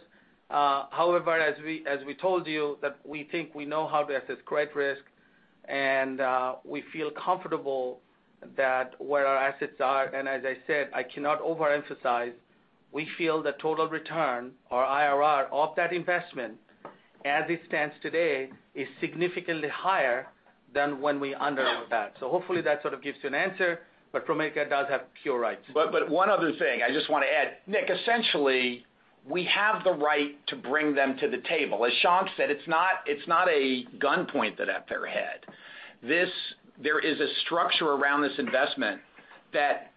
However, as we told you, that we think we know how to assess credit risk, and we feel comfortable that where our assets are, and as I said, I cannot overemphasize, we feel the total return or IRR of that investment, as it stands today, is significantly higher than when we underwent that. Hopefully, that sort of gives you an answer. ProMedica does have cure rights. One other thing I just want to add. Nick, essentially, we have the right to bring them to the table. As Shankh said, it's not a gun pointed at their head. There is a structure around this investment that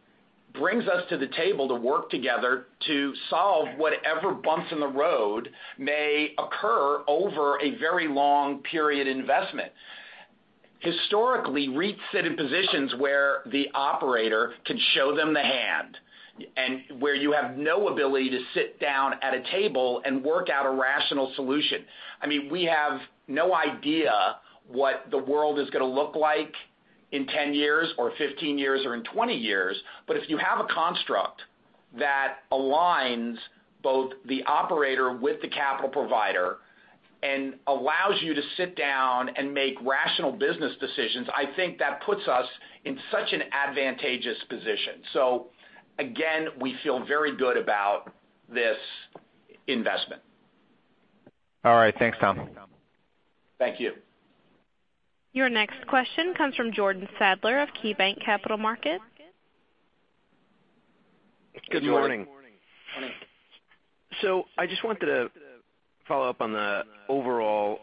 brings us to the table to work together to solve whatever bumps in the road may occur over a very long period investment. Historically, REITs sit in positions where the operator can show them the hand and where you have no ability to sit down at a table and work out a rational solution. We have no idea what the world is going to look like in 10 years or 15 years or in 20 years. If you have a construct that aligns both the operator with the capital provider and allows you to sit down and make rational business decisions, I think that puts us in such an advantageous position. Again, we feel very good about this investment. All right. Thanks, Tom. Thank you. Your next question comes from Jordan Sadler of KeyBanc Capital Markets. Good morning. Jordan. I just wanted to follow up on the overall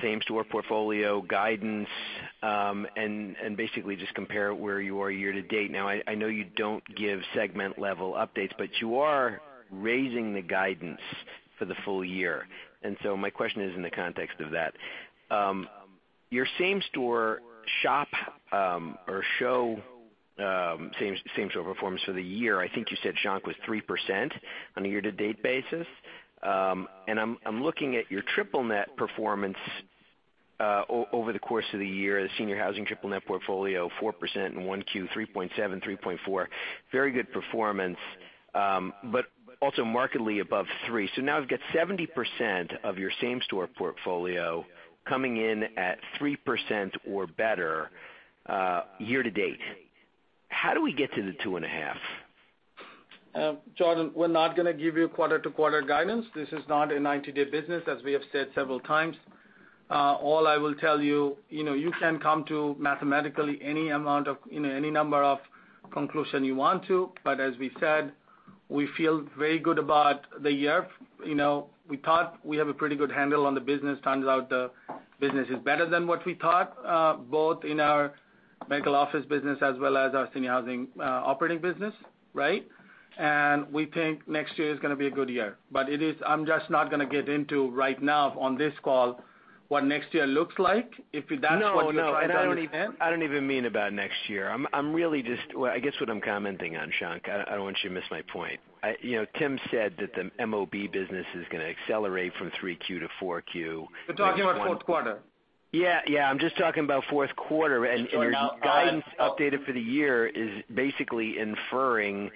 same-store portfolio guidance, and basically just compare it where you are year to date. I know you don't give segment-level updates, but you are raising the guidance for the full year. My question is in the context of that. Your same-store SHOP or show same-store performance for the year, I think you said, Shankh, was 3% on a year-to-date basis. I'm looking at your triple-net performance over the course of the year, the senior housing triple-net portfolio, 4% in 1Q, 3.7%, 3.4%. Very good performance. Also markedly above 3%. Now you've got 70% of your same-store portfolio coming in at 3% or better year to date. How do we get to the 2.5%? Jordan, we're not going to give you quarter-to-quarter guidance. This is not a 90-day business, as we have said several times. All I will tell you can come to mathematically any number of conclusion you want to, but as we said, we feel very good about the year. We thought we have a pretty good handle on the business. Turns out the business is better than what we thought, both in our medical office business as well as our senior housing operating business. We think next year is going to be a good year. I'm just not going to get into right now on this call what next year looks like. If that's what you're getting at. No, I don't even mean about next year. Well, I guess what I'm commenting on, Shankh, I don't want you to miss my point. Tim said that the MOB business is going to accelerate from 3Q to 4Q. You're talking about fourth quarter? Yeah, I'm just talking about fourth quarter. Sure. your guidance updated for the year is basically inferring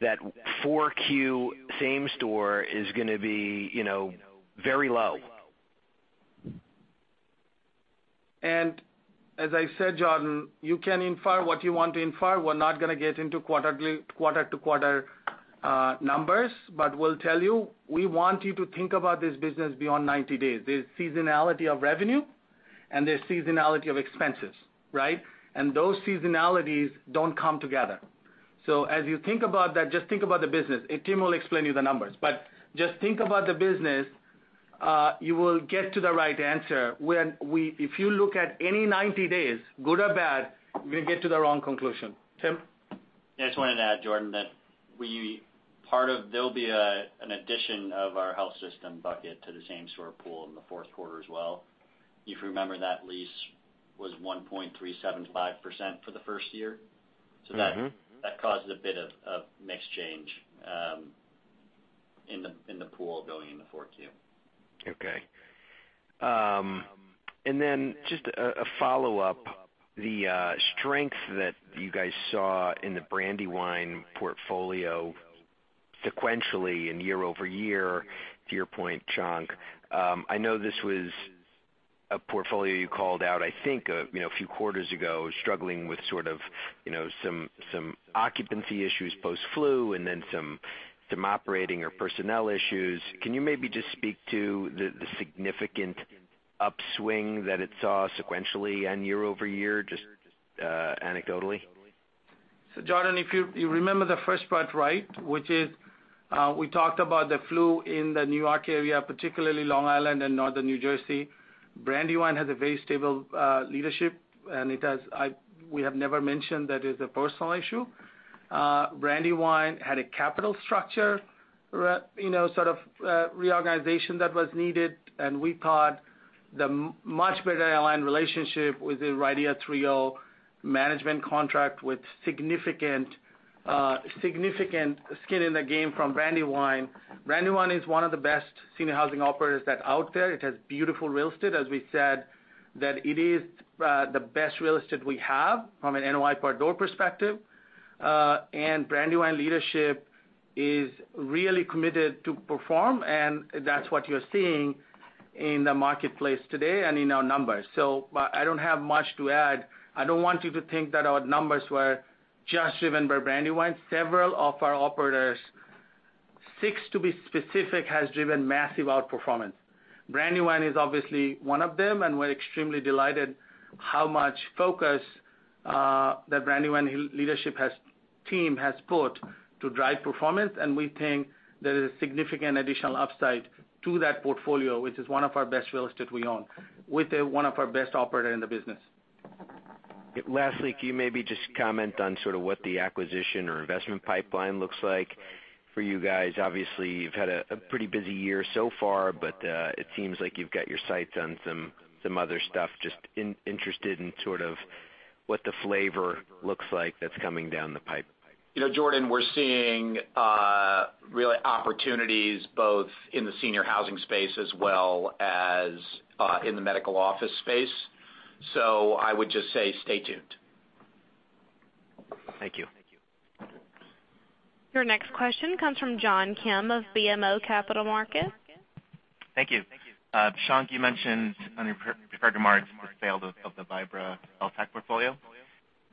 that 4Q same-store is going to be very low. As I said, Jordan, you can infer what you want to infer. We're not going to get into quarter-to-quarter numbers, but we'll tell you, we want you to think about this business beyond 90 days. There's seasonality of revenue and there's seasonality of expenses. Those seasonalities don't come together. As you think about that, just think about the business. Tim will explain you the numbers, but just think about the business. You will get to the right answer. If you look at any 90 days, good or bad, you're going to get to the wrong conclusion. Tim? I just wanted to add, Jordan, that there'll be an addition of our health system bucket to the same store pool in the fourth quarter as well. If you remember that lease was 1.375% for the first year. That caused a bit of mix change in the pool going into 4Q. Okay. Just a follow-up. The strength that you guys saw in the Brandywine portfolio sequentially and year-over-year, to your point, Shankh. I know this was a portfolio you called out, I think, a few quarters ago, struggling with sort of some occupancy issues post-flu and then some operating or personnel issues. Can you maybe just speak to the significant upswing that it saw sequentially and year-over-year, just anecdotally? Jordan, you remember the first part right, which is we talked about the flu in the New York area, particularly Long Island and Northern New Jersey. Brandywine has a very stable leadership, and we have never mentioned that it's a personal issue. Brandywine had a capital structure sort of reorganization that was needed, and we thought the much better aligned relationship with the RIDEA 3.0 management contract with significant skin in the game from Brandywine. Brandywine is one of the best senior housing operators that are out there. It has beautiful real estate, as we said, that it is the best real estate we have from an NOI per door perspective. Brandywine leadership is really committed to perform, and that's what you're seeing in the marketplace today and in our numbers. I don't have much to add. I don't want you to think that our numbers were just driven by Brandywine. Several of our operators, six to be specific, have driven massive outperformance. Brandywine is obviously one of them, and we're extremely delighted how much focus the Brandywine leadership team has put to drive performance, and we think there is significant additional upside to that portfolio, which is one of our best real estate we own with one of our best operator in the business. Lastly, can you maybe just comment on sort of what the acquisition or investment pipeline looks like for you guys? You've had a pretty busy year so far, but it seems like you've got your sights on some other stuff. Interested in sort of what the flavor looks like that's coming down the pipe. Jordan, we're seeing real opportunities both in the senior housing space as well as in the medical office space. I would just say stay tuned. Thank you. Your next question comes from John Kim of BMO Capital Markets. Thank you. Shankh, you mentioned on your prepared remarks the sale of the Vibra LTAC portfolio.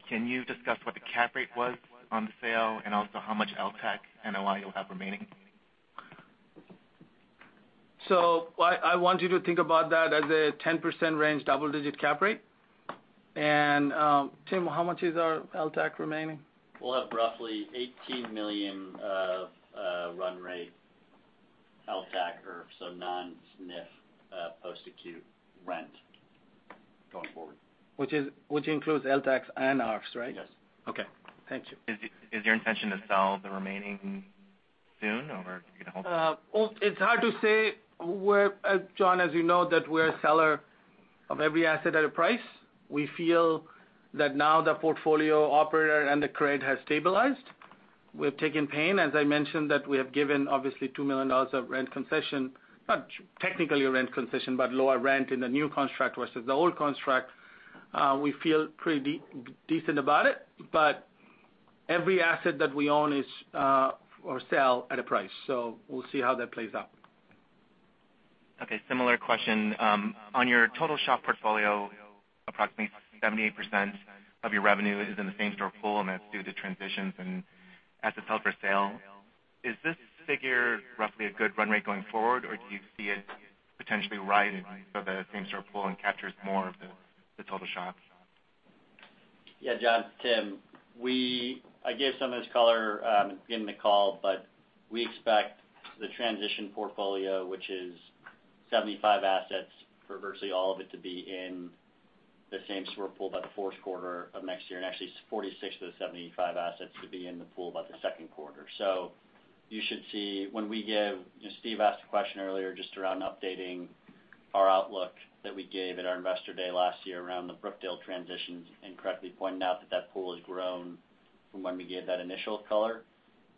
Can you discuss what the cap rate was on the sale and also how much LTAC NOI you have remaining? I want you to think about that as a 10%-range double-digit cap rate. Tim, how much is our LTAC remaining? We'll have roughly $18 million of run rate LTAC or so non-SNF post-acute rent going forward. Which includes LTACs and IRFs, right? Yes. Okay. Thank you. Is your intention to sell the remaining soon, or are you going to hold them? It's hard to say, John, as you know, that we're a seller of every asset at a price. We feel that now the portfolio operator and the credit have stabilized. We've taken pain, as I mentioned, that we have given obviously $2 million of rent concession, not technically a rent concession, but lower rent in the new contract versus the old contract. We feel pretty decent about it. Every asset that we own is for sale at a price. We'll see how that plays out. Similar question. On your total SHOP portfolio, approximately 78% of your revenue is in the same-store pool, and that's due to transitions and assets held for sale. Is this figure roughly a good run rate going forward, or do you see it potentially rising so that same-store pool encompasses more of the total SHOP? John, Tim. I gave some of this color in the call, but we expect the transition portfolio, which is 75 assets, for virtually all of it to be in the same-store pool by the fourth quarter of next year, and actually 46 of those 75 assets to be in the pool by the second quarter. You should see Steve asked a question earlier just around updating our outlook that we gave at our investor day last year around the Brookdale transitions, and correctly pointed out that that pool has grown from when we gave that initial color.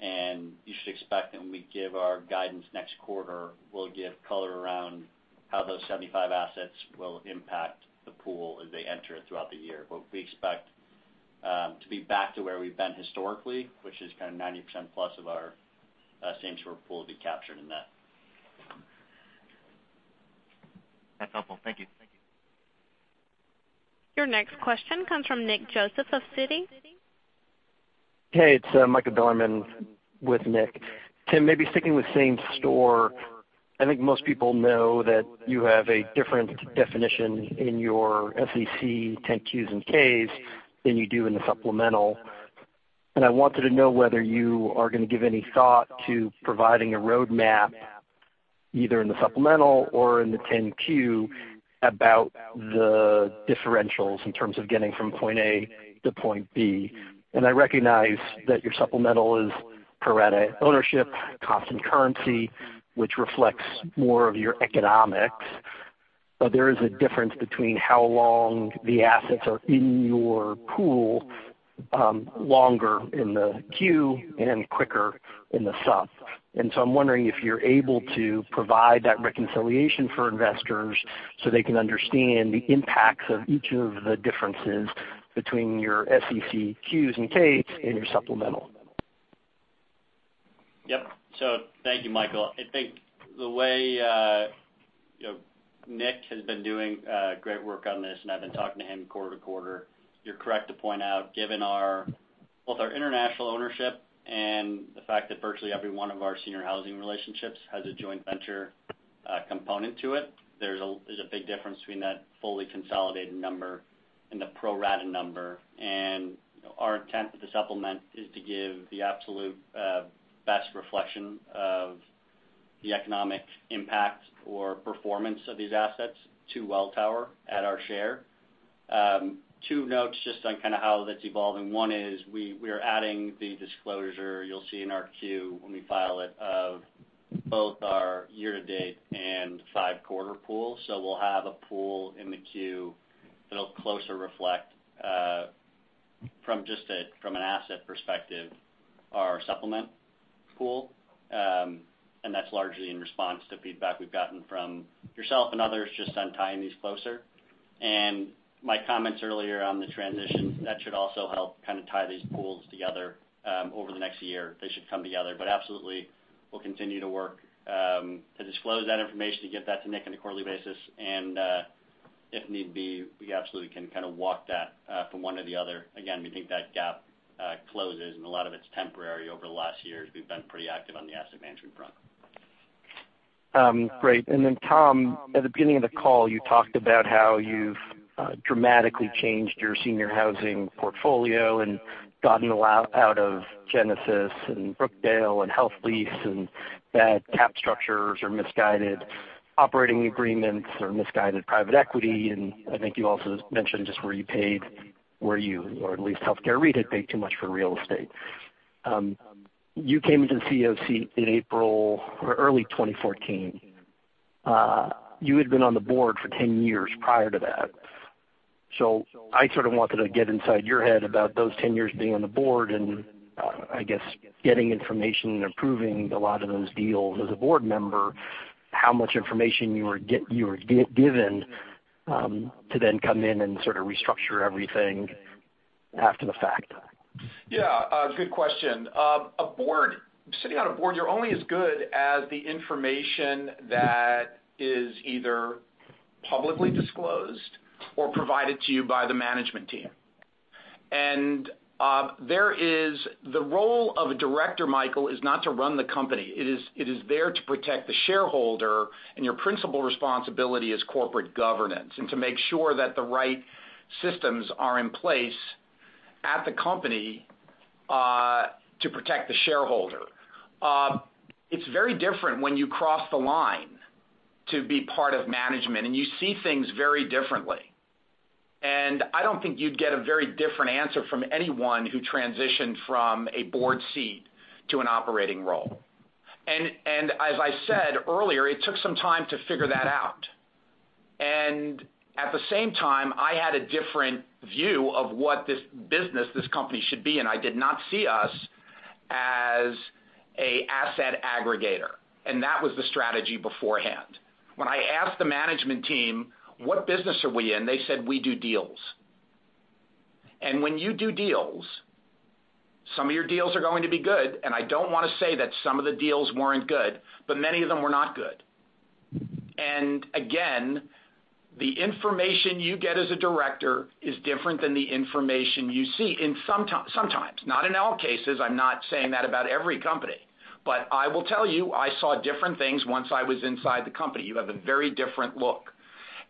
You should expect that when we give our guidance next quarter, we'll give color around how those 75 assets will impact the pool as they enter it throughout the year. We expect to be back to where we've been historically, which is kind of 90% plus of our same store pool will be captured in that. That's helpful. Thank you. Your next question comes from Nick Joseph of Citi. Hey, it's Michael Mueller with Nick. Tim, maybe sticking with same-store, I think most people know that you have a different definition in your SEC 10Qs and Ks than you do in the supplemental. I wanted to know whether you are going to give any thought to providing a roadmap, either in the supplemental or in the 10Q, about the differentials in terms of getting from point A to point B. I recognize that your supplemental is pro rata ownership, constant currency, which reflects more of your economics. There is a difference between how long the assets are in your pool, longer in the Q and quicker in the sup. So I'm wondering if you're able to provide that reconciliation for investors so they can understand the impacts of each of the differences between your SEC Qs and Ks and your supplemental. Yep. Thank you, Michael. I think the way Nick has been doing great work on this, and I've been talking to him quarter to quarter. You're correct to point out, given both our international ownership and the fact that virtually every one of our senior housing relationships has a joint venture component to it, there's a big difference between that fully consolidated number and the pro rata number. Our intent with the supplement is to give the absolute best reflection of the economic impact or performance of these assets to Welltower at our share. Two notes just on kind of how that's evolving. One is we are adding the disclosure, you'll see in our queue when we file it, of both our year-to-date and five-quarter pool. We'll have a pool in the queue that'll closer reflect, from an asset perspective, our supplement pool. That's largely in response to feedback we've gotten from yourself and others just on tying these closer. My comments earlier on the transition, that should also help kind of tie these pools together over the next year. They should come together. Absolutely, we'll continue to work to disclose that information, to get that to Nick on a quarterly basis. If need be, we absolutely can kind of walk that from one to the other. Again, we think that gap closes and a lot of it's temporary. Over the last year, we've been pretty active on the asset management front. Great. Tom, at the beginning of the call, you talked about how you've dramatically changed your senior housing portfolio and gotten a lot out of Genesis and Brookdale and HealthLease and bad cap structures or misguided operating agreements or misguided private equity. I think you also mentioned just where you paid, where you or at least Health Care REIT had paid too much for real estate. You came into the CEO seat in April or early 2014. You had been on the board for 10 years prior to that. I sort of wanted to get inside your head about those 10 years being on the board and, I guess, getting information and approving a lot of those deals as a board member, how much information you were given to then come in and sort of restructure everything after the fact. Yeah. Good question. Sitting on a board, you're only as good as the information that is either publicly disclosed or provided to you by the management team. The role of a director, Michael, is not to run the company. It is there to protect the shareholder, and your principal responsibility is corporate governance and to make sure that the right systems are in place at the company to protect the shareholder. It's very different when you cross the line to be part of management, and you see things very differently. I don't think you'd get a very different answer from anyone who transitioned from a board seat to an operating role. As I said earlier, it took some time to figure that out. At the same time, I had a different view of what this business, this company should be, and I did not see us as an asset aggregator. That was the strategy beforehand. When I asked the management team, "What business are we in?" They said, "We do deals." When you do deals, some of your deals are going to be good. I don't want to say that some of the deals weren't good, but many of them were not good. Again, the information you get as a director is different than the information you see sometimes. Not in all cases. I'm not saying that about every company. I will tell you, I saw different things once I was inside the company. You have a very different look.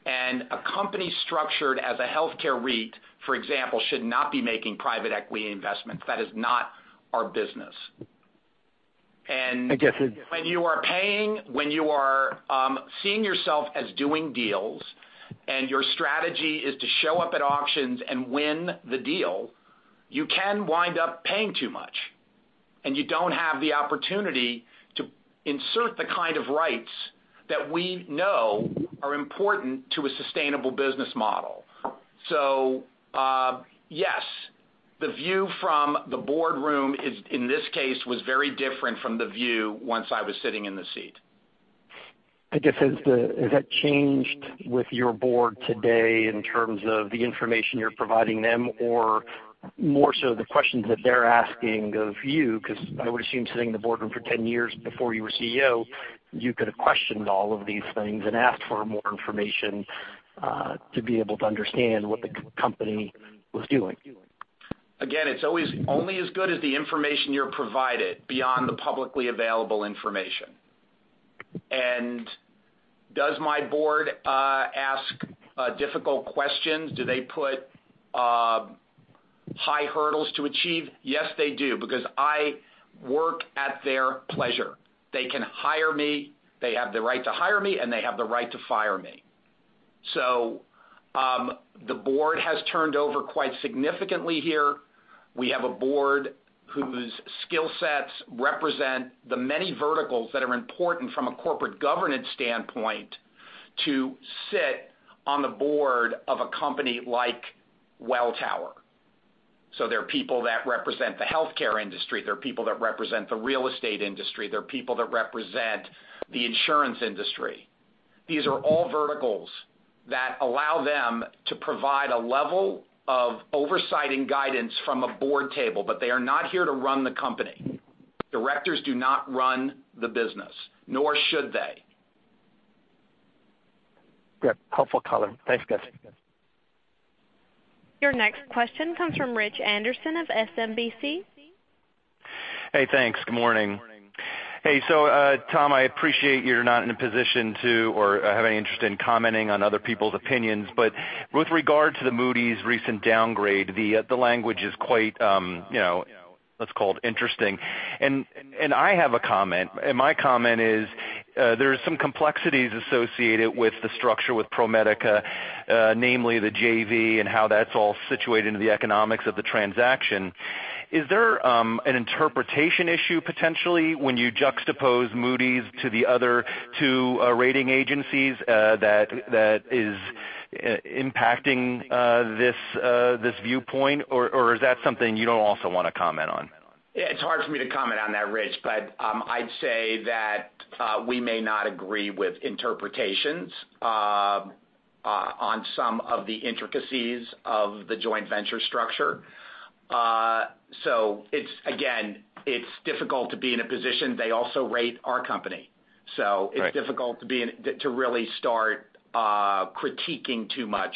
A company structured as a healthcare REIT, for example, should not be making private equity investments. That is not our business. I guess it. When you are seeing yourself as doing deals and your strategy is to show up at auctions and win the deal, you can wind up paying too much, and you don't have the opportunity to insert the kind of rights that we know are important to a sustainable business model. Yes, the view from the boardroom, in this case, was very different from the view once I was sitting in the seat. I guess has that changed with your board today in terms of the information you're providing them or more so the questions that they're asking of you? I would assume sitting in the boardroom for 10 years before you were CEO, you could have questioned all of these things and asked for more information, to be able to understand what the company was doing. Again, it's only as good as the information you're provided beyond the publicly available information. Does my board ask difficult questions? Do they put high hurdles to achieve? Yes, they do, because I work at their pleasure. They have the right to hire me, and they have the right to fire me. The board has turned over quite significantly here. We have a board whose skill sets represent the many verticals that are important from a corporate governance standpoint to sit on the board of a company like Welltower. They're people that represent the healthcare industry, they're people that represent the real estate industry, they're people that represent the insurance industry. These are all verticals that allow them to provide a level of oversight and guidance from a board table, but they are not here to run the company. Directors do not run the business, nor should they. Yep. Helpful color. Thanks, guys. Your next question comes from Richard Anderson of SMBC. Hey, thanks. Good morning. Hey, Tom, I appreciate you're not in a position to or have any interest in commenting on other people's opinions. With regard to the Moody's recent downgrade, the language is quite, let's call it interesting. I have a comment, and my comment is, there's some complexities associated with the structure with ProMedica, namely the JV and how that's all situated into the economics of the transaction. Is there an interpretation issue potentially when you juxtapose Moody's to the other two rating agencies, that is impacting this viewpoint, or is that something you don't also want to comment on? It's hard for me to comment on that, Rich, but I'd say that we may not agree with interpretations on some of the intricacies of the joint venture structure. Again, it's difficult to be in a position. They also rate our company. Right. It's difficult to really start critiquing too much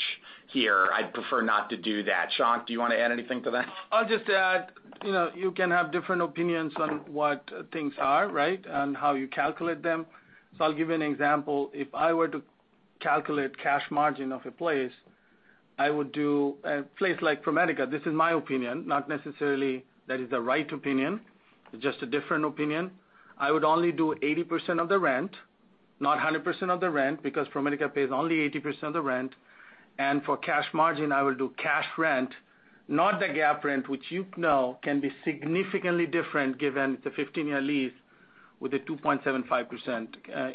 here. I'd prefer not to do that. Shankh, do you want to add anything to that? I'll just add, you can have different opinions on what things are, right, and how you calculate them. I'll give you an example. If I were to calculate cash margin of a place, a place like ProMedica, this is my opinion, not necessarily that is the right opinion, it's just a different opinion. I would only do 80% of the rent, not 100% of the rent, because ProMedica pays only 80% of the rent. For cash margin, I would do cash rent, not the gap rent, which you know can be significantly different given it's a 15-year lease with a 2.75%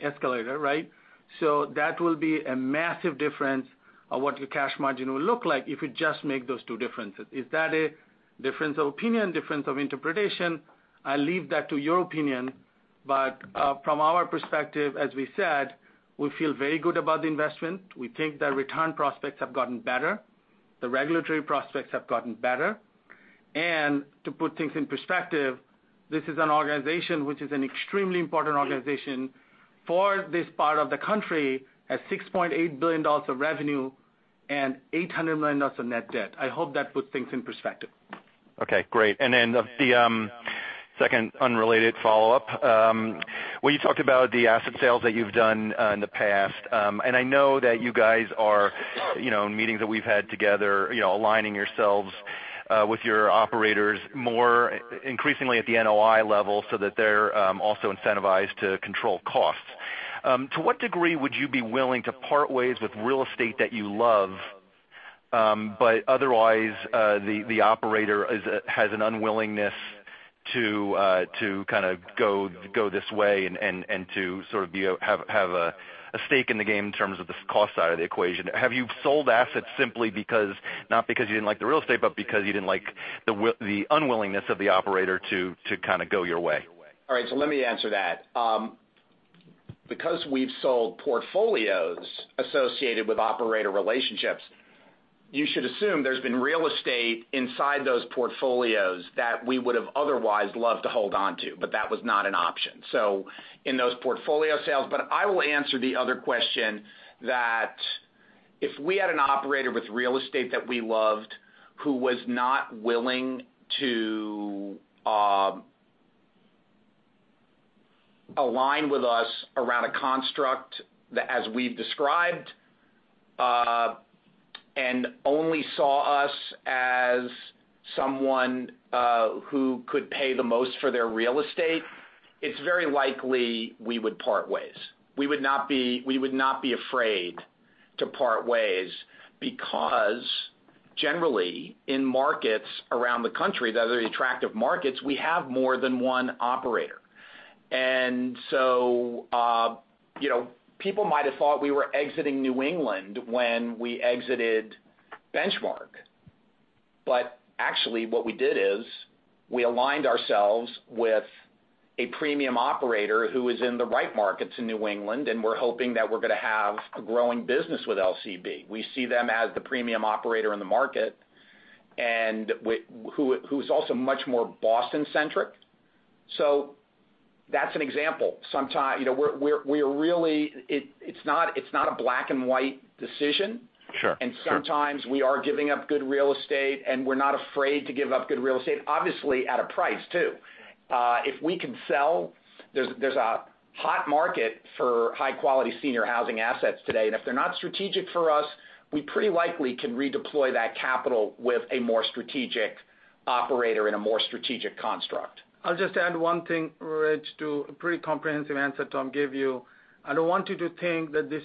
escalator, right? That will be a massive difference of what your cash margin will look like if you just make those two differences. Is that a difference of opinion, difference of interpretation? I leave that to your opinion. From our perspective, as we said, we feel very good about the investment. We think the return prospects have gotten better, the regulatory prospects have gotten better. To put things in perspective, this is an organization which is an extremely important organization for this part of the country, at $6.8 billion of revenue and $800 million of net debt. I hope that puts things in perspective. Okay, great. The second unrelated follow-up, when you talked about the asset sales that you've done in the past, and I know that you guys are, in meetings that we've had together, aligning yourselves, with your operators more increasingly at the NOI level so that they're also incentivized to control costs. To what degree would you be willing to part ways with real estate that you love, but otherwise, the operator has an unwillingness to kind of go this way and to sort of have a stake in the game in terms of the cost side of the equation? Have you sold assets simply not because you didn't like the real estate, but because you didn't like the unwillingness of the operator to kind of go your way? All right. Let me answer that. Because we've sold portfolios associated with operator relationships, you should assume there's been real estate inside those portfolios that we would've otherwise loved to hold onto, but that was not an option. I will answer the other question that, if we had an operator with real estate that we loved, who was not willing to align with us around a construct as we've described, and only saw us as someone who could pay the most for their real estate, it's very likely we would part ways. We would not be afraid to part ways because generally, in markets around the country that are attractive markets, we have more than one operator. People might have thought we were exiting New England when we exited Benchmark. Actually what we did is, we aligned ourselves with a premium operator who is in the right markets in New England, and we're hoping that we're going to have a growing business with LCB. We see them as the premium operator in the market and who's also much more Boston centric. That's an example. It's not a black and white decision. Sure. Sometimes we are giving up good real estate. We're not afraid to give up good real estate, obviously, at a price, too. If we can sell, there's a hot market for high-quality senior housing assets today. If they're not strategic for us, we pretty likely can redeploy that capital with a more strategic operator in a more strategic construct. I'll just add one thing, Rich, to a pretty comprehensive answer Tom gave you. I don't want you to think that this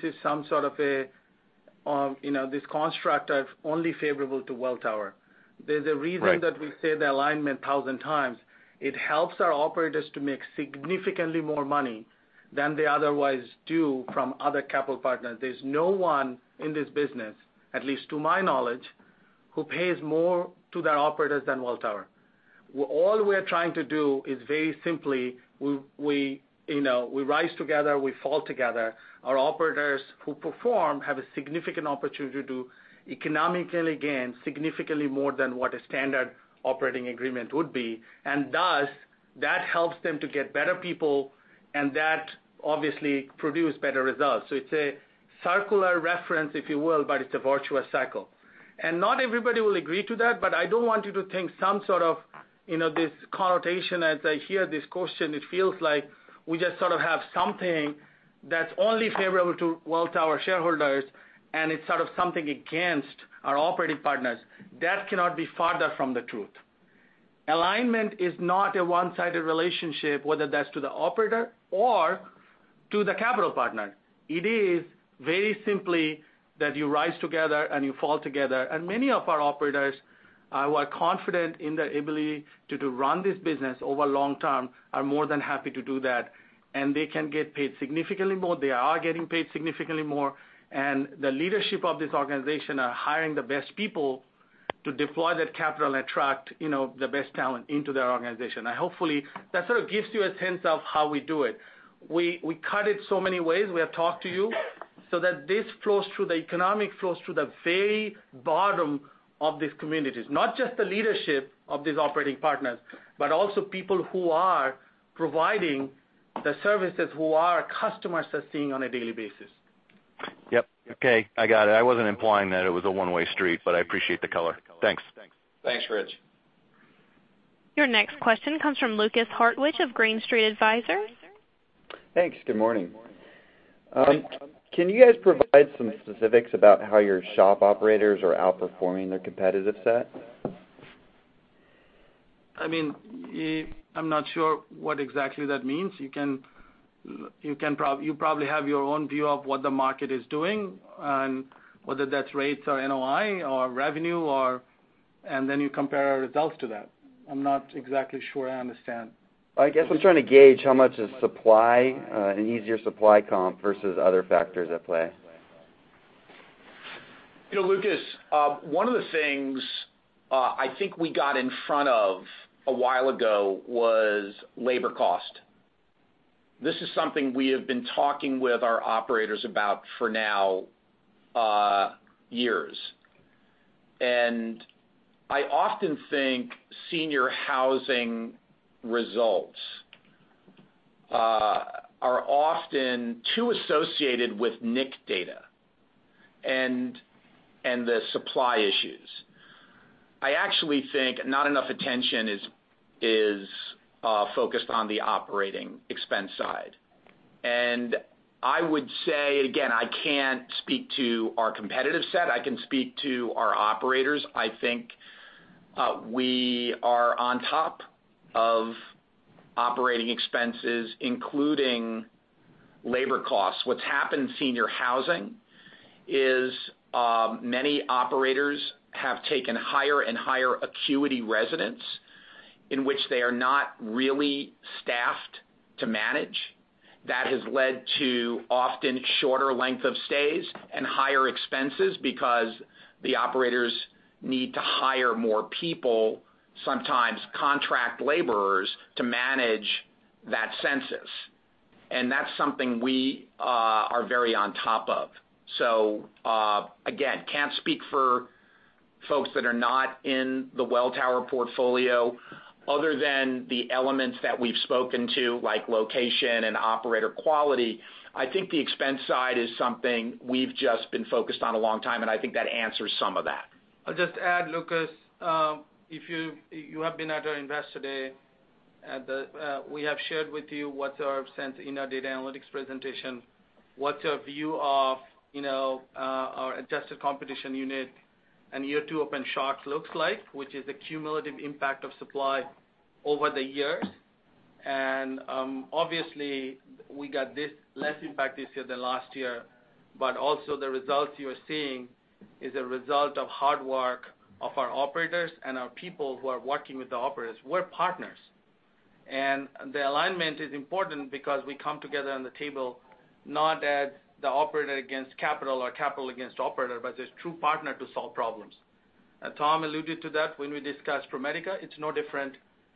construct is only favorable to Welltower. Right. There's a reason that we say the alignment 1,000 times. It helps our operators to make significantly more money than they otherwise do from other capital partners. There's no one in this business, at least to my knowledge, who pays more to their operators than Welltower. All we are trying to do is very simply, we rise together, we fall together. Our operators who perform have a significant opportunity to economically gain significantly more than what a standard operating agreement would be. Thus, that helps them to get better people, and that obviously produce better results. It's a circular reference, if you will, but it's a virtuous cycle. Not everybody will agree to that, but I don't want you to think some sort of, this connotation as I hear this question, it feels like we just sort of have something that's only favorable to Welltower shareholders, and it's sort of something against our operating partners. That cannot be farther from the truth. Alignment is not a one-sided relationship, whether that's to the operator or to the capital partner. It is very simply that you rise together and you fall together. Many of our operators who are confident in their ability to run this business over long term are more than happy to do that. They can get paid significantly more, they are getting paid significantly more, and the leadership of this organization are hiring the best people to deploy that capital and attract the best talent into their organization. Now hopefully, that sort of gives you a sense of how we do it. We cut it so many ways. We have talked to you so that this flows through the economic, flows through the very bottom of these communities. Not just the leadership of these operating partners, but also people who are providing the services, who our customers are seeing on a daily basis. Yep. Okay. I got it. I wasn't implying that it was a one-way street, but I appreciate the color. Thanks. Thanks, Rich. Your next question comes from Lukas Hartwich of Green Street Advisors. Thanks. Good morning. Can you guys provide some specifics about how your SHOP operators are outperforming their competitive set? I'm not sure what exactly that means. You probably have your own view of what the market is doing, and whether that's rates or NOI or revenue. Then you compare our results to that. I'm not exactly sure I understand. I guess I'm trying to gauge how much is supply, an easier supply comp versus other factors at play. You know, Lukas, one of the things, I think we got in front of a while ago was labor cost. This is something we have been talking with our operators about for now, years. I often think senior housing results are often too associated with NIC data and the supply issues. I actually think not enough attention is focused on the operating expense side. I would say, again, I can't speak to our competitive set. I can speak to our operators. I think we are on top of operating expenses, including labor costs. What's happened in senior housing is, many operators have taken higher and higher acuity residents in which they are not really staffed to manage. That has led to often shorter length of stays and higher expenses because the operators need to hire more people, sometimes contract laborers, to manage that census. That's something we are very on top of. Again, can't speak for folks that are not in the Welltower portfolio other than the elements that we've spoken to, like location and operator quality. I think the expense side is something we've just been focused on a long time, and I think that answers some of that. I'll just add, Lukas, if you have been at our Invest Day, we have shared with you what's our sense in our data analytics presentation, what's our view of our adjusted competition unit and year two open shops looks like, which is the cumulative impact of supply over the years. Obviously, we got less impact this year than last year, but also the results you are seeing is a result of hard work of our operators and our people who are working with the operators. We're partners. The alignment is important because we come together on the table, not as the operator against capital or capital against operator, but as true partner to solve problems. As Tom alluded to that when we discussed ProMedica, it's no different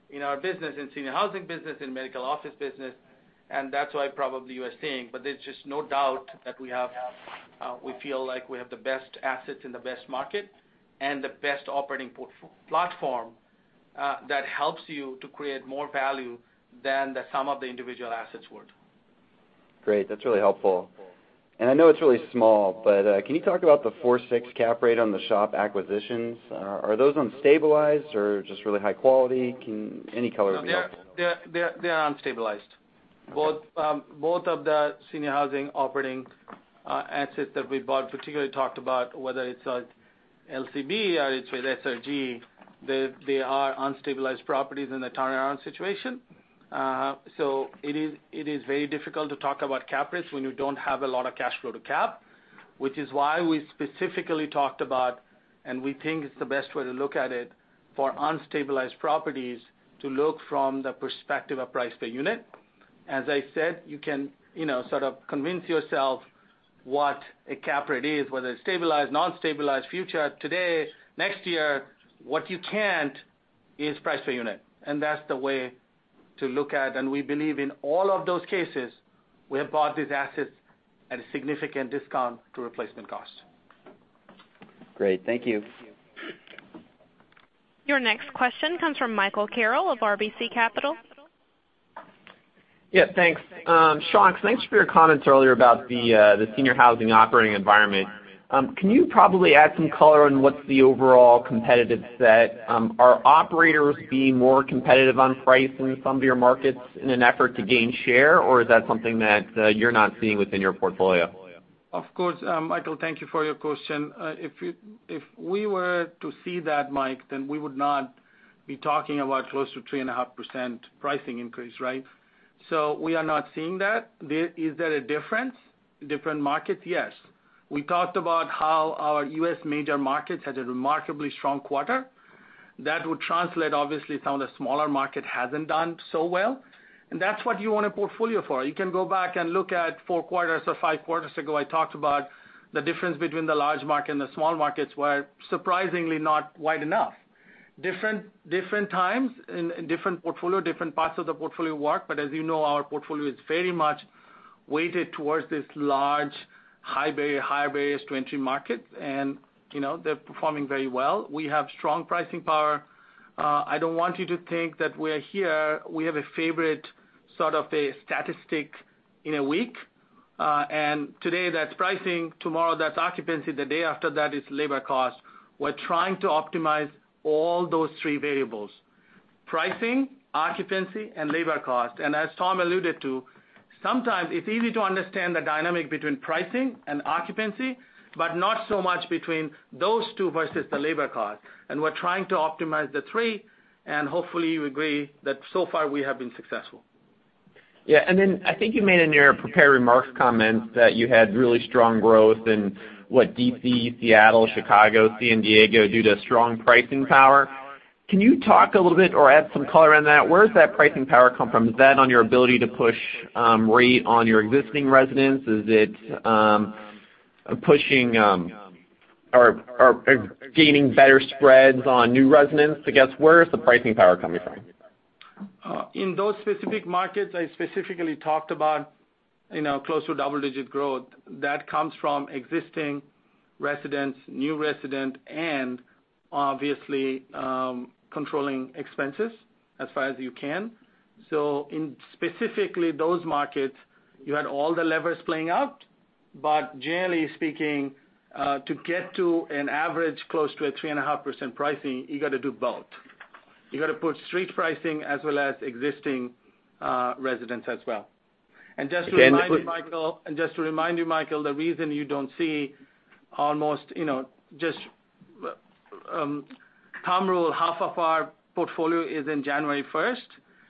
in our business, in senior housing business, in medical office business, and that's why probably you are seeing. There's just no doubt that we feel like we have the best assets in the best market and the best operating platform, that helps you to create more value than the sum of the individual assets would. Great. That's really helpful. I know it's really small, but can you talk about the 4%-6% cap rate on the SHOP acquisitions? Are those unstabilized or just really high quality? Any color would be helpful. They are unstabilized. Both of the senior housing operating assets that we bought, particularly talked about whether it's LCB or it's with SRG, they are unstabilized properties in a turnaround situation. It is very difficult to talk about cap rates when you don't have a lot of cash flow to cap, which is why we specifically talked about, and we think it's the best way to look at it for unstabilized properties to look from the perspective of price per unit. As I said, you can sort of convince yourself what a cap rate is, whether it's stabilized, non-stabilized, future, today, next year. What you can't is price per unit, and that's the way to look at. We believe in all of those cases, we have bought these assets at a significant discount to replacement cost. Great. Thank you. Your next question comes from Michael Carroll of RBC Capital. Yeah. Thanks. Shankh, thanks for your comments earlier about the senior housing operating environment. Can you probably add some color on what's the overall competitive set? Are operators being more competitive on price in some of your markets in an effort to gain share, or is that something that you're not seeing within your portfolio? Of course, Michael, thank you for your question. If we were to see that, Mike, we would not be talking about close to 3.5% pricing increase, right? We are not seeing that. Is there a difference, different markets? Yes. We talked about how our U.S. major markets had a remarkably strong quarter that would translate, obviously, some of the smaller market hasn't done so well, and that's what you want a portfolio for. You can go back and look at four quarters or five quarters ago, I talked about the difference between the large market and the small markets were surprisingly not wide enough. Different times and different portfolio, different parts of the portfolio work. As you know, our portfolio is very much weighted towards this large, high barriers to entry market, and they're performing very well. We have strong pricing power. I don't want you to think that we have a favorite sort of a statistic in a week. Today, that's pricing. Tomorrow, that's occupancy. The day after that is labor cost. We're trying to optimize all those three variables: pricing, occupancy, and labor cost. As Tom alluded to, sometimes it's easy to understand the dynamic between pricing and occupancy, but not so much between those two versus the labor cost. We're trying to optimize the three, and hopefully you agree that so far we have been successful. Yeah. I think you made in your prepared remarks comment that you had really strong growth in what D.C., Seattle, Chicago, San Diego due to strong pricing power. Can you talk a little bit or add some color on that? Where does that pricing power come from? Is that on your ability to push rate on your existing residents? Is it pushing or gaining better spreads on new residents, I guess? Where is the pricing power coming from? In those specific markets I specifically talked about close to double-digit growth, that comes from existing residents, new resident, and obviously, controlling expenses as far as you can. In specifically those markets, you had all the levers playing out. Generally speaking, to get to an average close to a 3.5% pricing, you got to do both. You got to push street pricing as well as existing residents as well. To remind you, Michael, the reason you don't see almost Thumb rule, half of our portfolio is in January 1st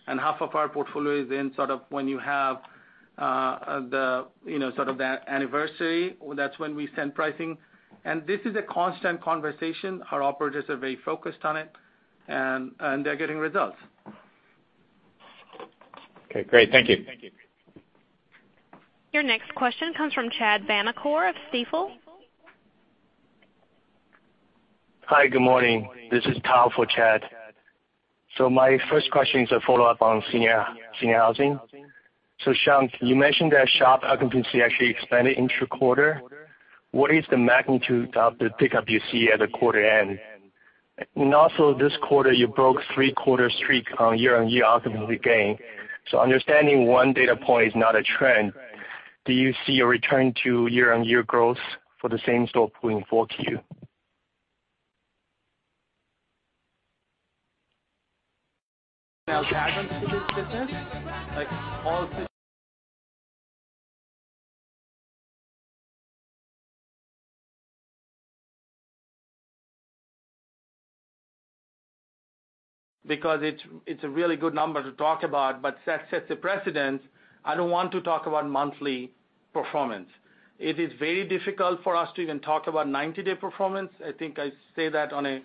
and half of our portfolio is in sort of when you have that anniversary, that's when we send pricing. This is a constant conversation. Our operators are very focused on it, and they're getting results. Okay, great. Thank you. Your next question comes from Chad Vanacore of Stifel. Hi, good morning. This is Tom for Chad. My first question is a follow-up on senior housing. Shankh, you mentioned that SHOP occupancy actually expanded intra-quarter. What is the magnitude of the pickup you see at the quarter end? This quarter, you broke three-quarter streak on year-on-year occupancy gain. Understanding one data point is not a trend, do you see a return to year-on-year growth for the same store pool in four Q? Guidance to this business, it's a really good number to talk about, but that sets a precedent. I don't want to talk about monthly performance. It is very difficult for us to even talk about 90-day performance. I think I say that on a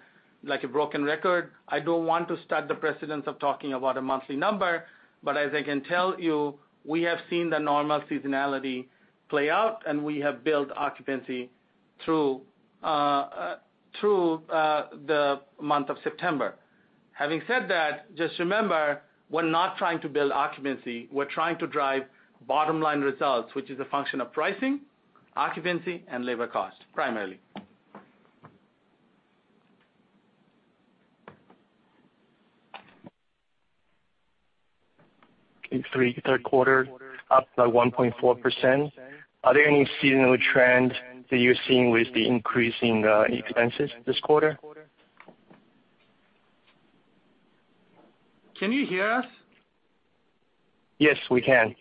broken record. I don't want to start the precedence of talking about a monthly number. As I can tell you, we have seen the normal seasonality play out, and we have built occupancy through the month of September. Having said that, just remember, we're not trying to build occupancy. We're trying to drive bottom-line results, which is a function of pricing, occupancy, and labor cost, primarily. In third quarter, up by 1.4%. Are there any seasonal trends that you're seeing with the increase in expenses this quarter? Can you hear us? Yes, we can.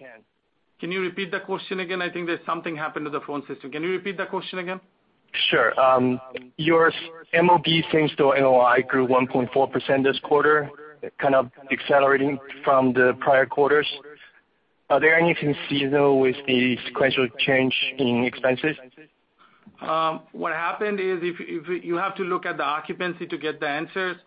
Can you repeat the question again? I think that something happened to the phone system. Can you repeat that question again? Sure. Your MOB same-store NOI grew 1.4% this quarter, kind of accelerating from the prior quarters. Are there anything seasonal with the sequential change in expenses? What happened is you have to look at the occupancy to get the answers.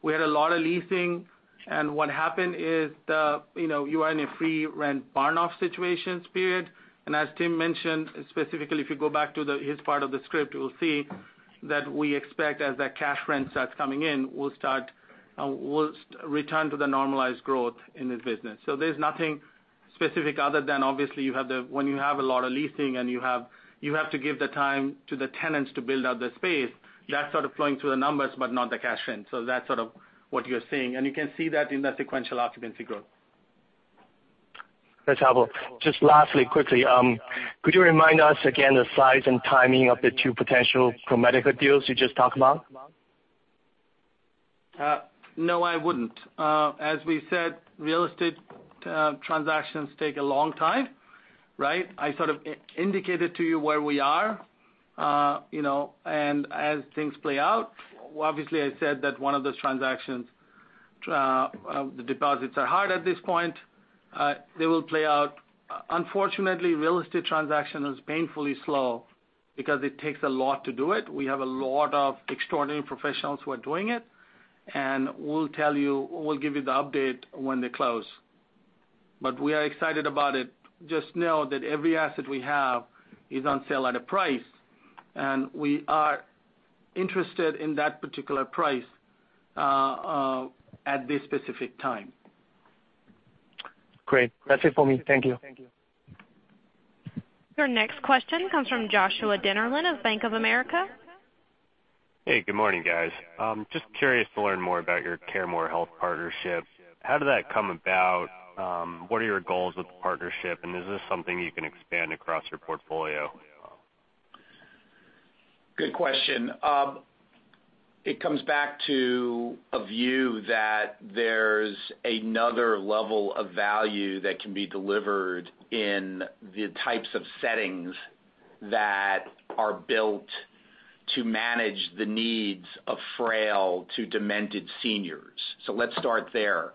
We had a lot of leasing, what happened is you are in a free rent burn-off situations period. As Tim mentioned, specifically, if you go back to his part of the script, you will see that we expect as that cash rent starts coming in, we'll return to the normalized growth in this business. There's nothing specific other than obviously when you have a lot of leasing, and you have to give the time to the tenants to build out the space. That's sort of flowing through the numbers, but not the cash rent. That's sort of what you're seeing. You can see that in the sequential occupancy growth. That's helpful. Just lastly, quickly, could you remind us again the size and timing of the two potential ProMedica deals you just talked about? No, I wouldn't. As we said, real estate transactions take a long time, right? I sort of indicated to you where we are. As things play out, obviously I said that one of those transactions, the deposits are hard at this point. They will play out. Unfortunately, real estate transaction is painfully slow because it takes a lot to do it. We have a lot of extraordinary professionals who are doing it, and we'll give you the update when they close. We are excited about it. Just know that every asset we have is on sale at a price, and we are interested in that particular price at this specific time. Great. That's it for me. Thank you. Your next question comes from Joshua Dennerlein of Bank of America. Hey, good morning, guys. Just curious to learn more about your CareMore Health partnership? How did that come about? What are your goals with the partnership, and is this something you can expand across your portfolio? Good question. It comes back to a view that there's another level of value that can be delivered in the types of settings that are built to manage the needs of frail to demented seniors. Let's start there.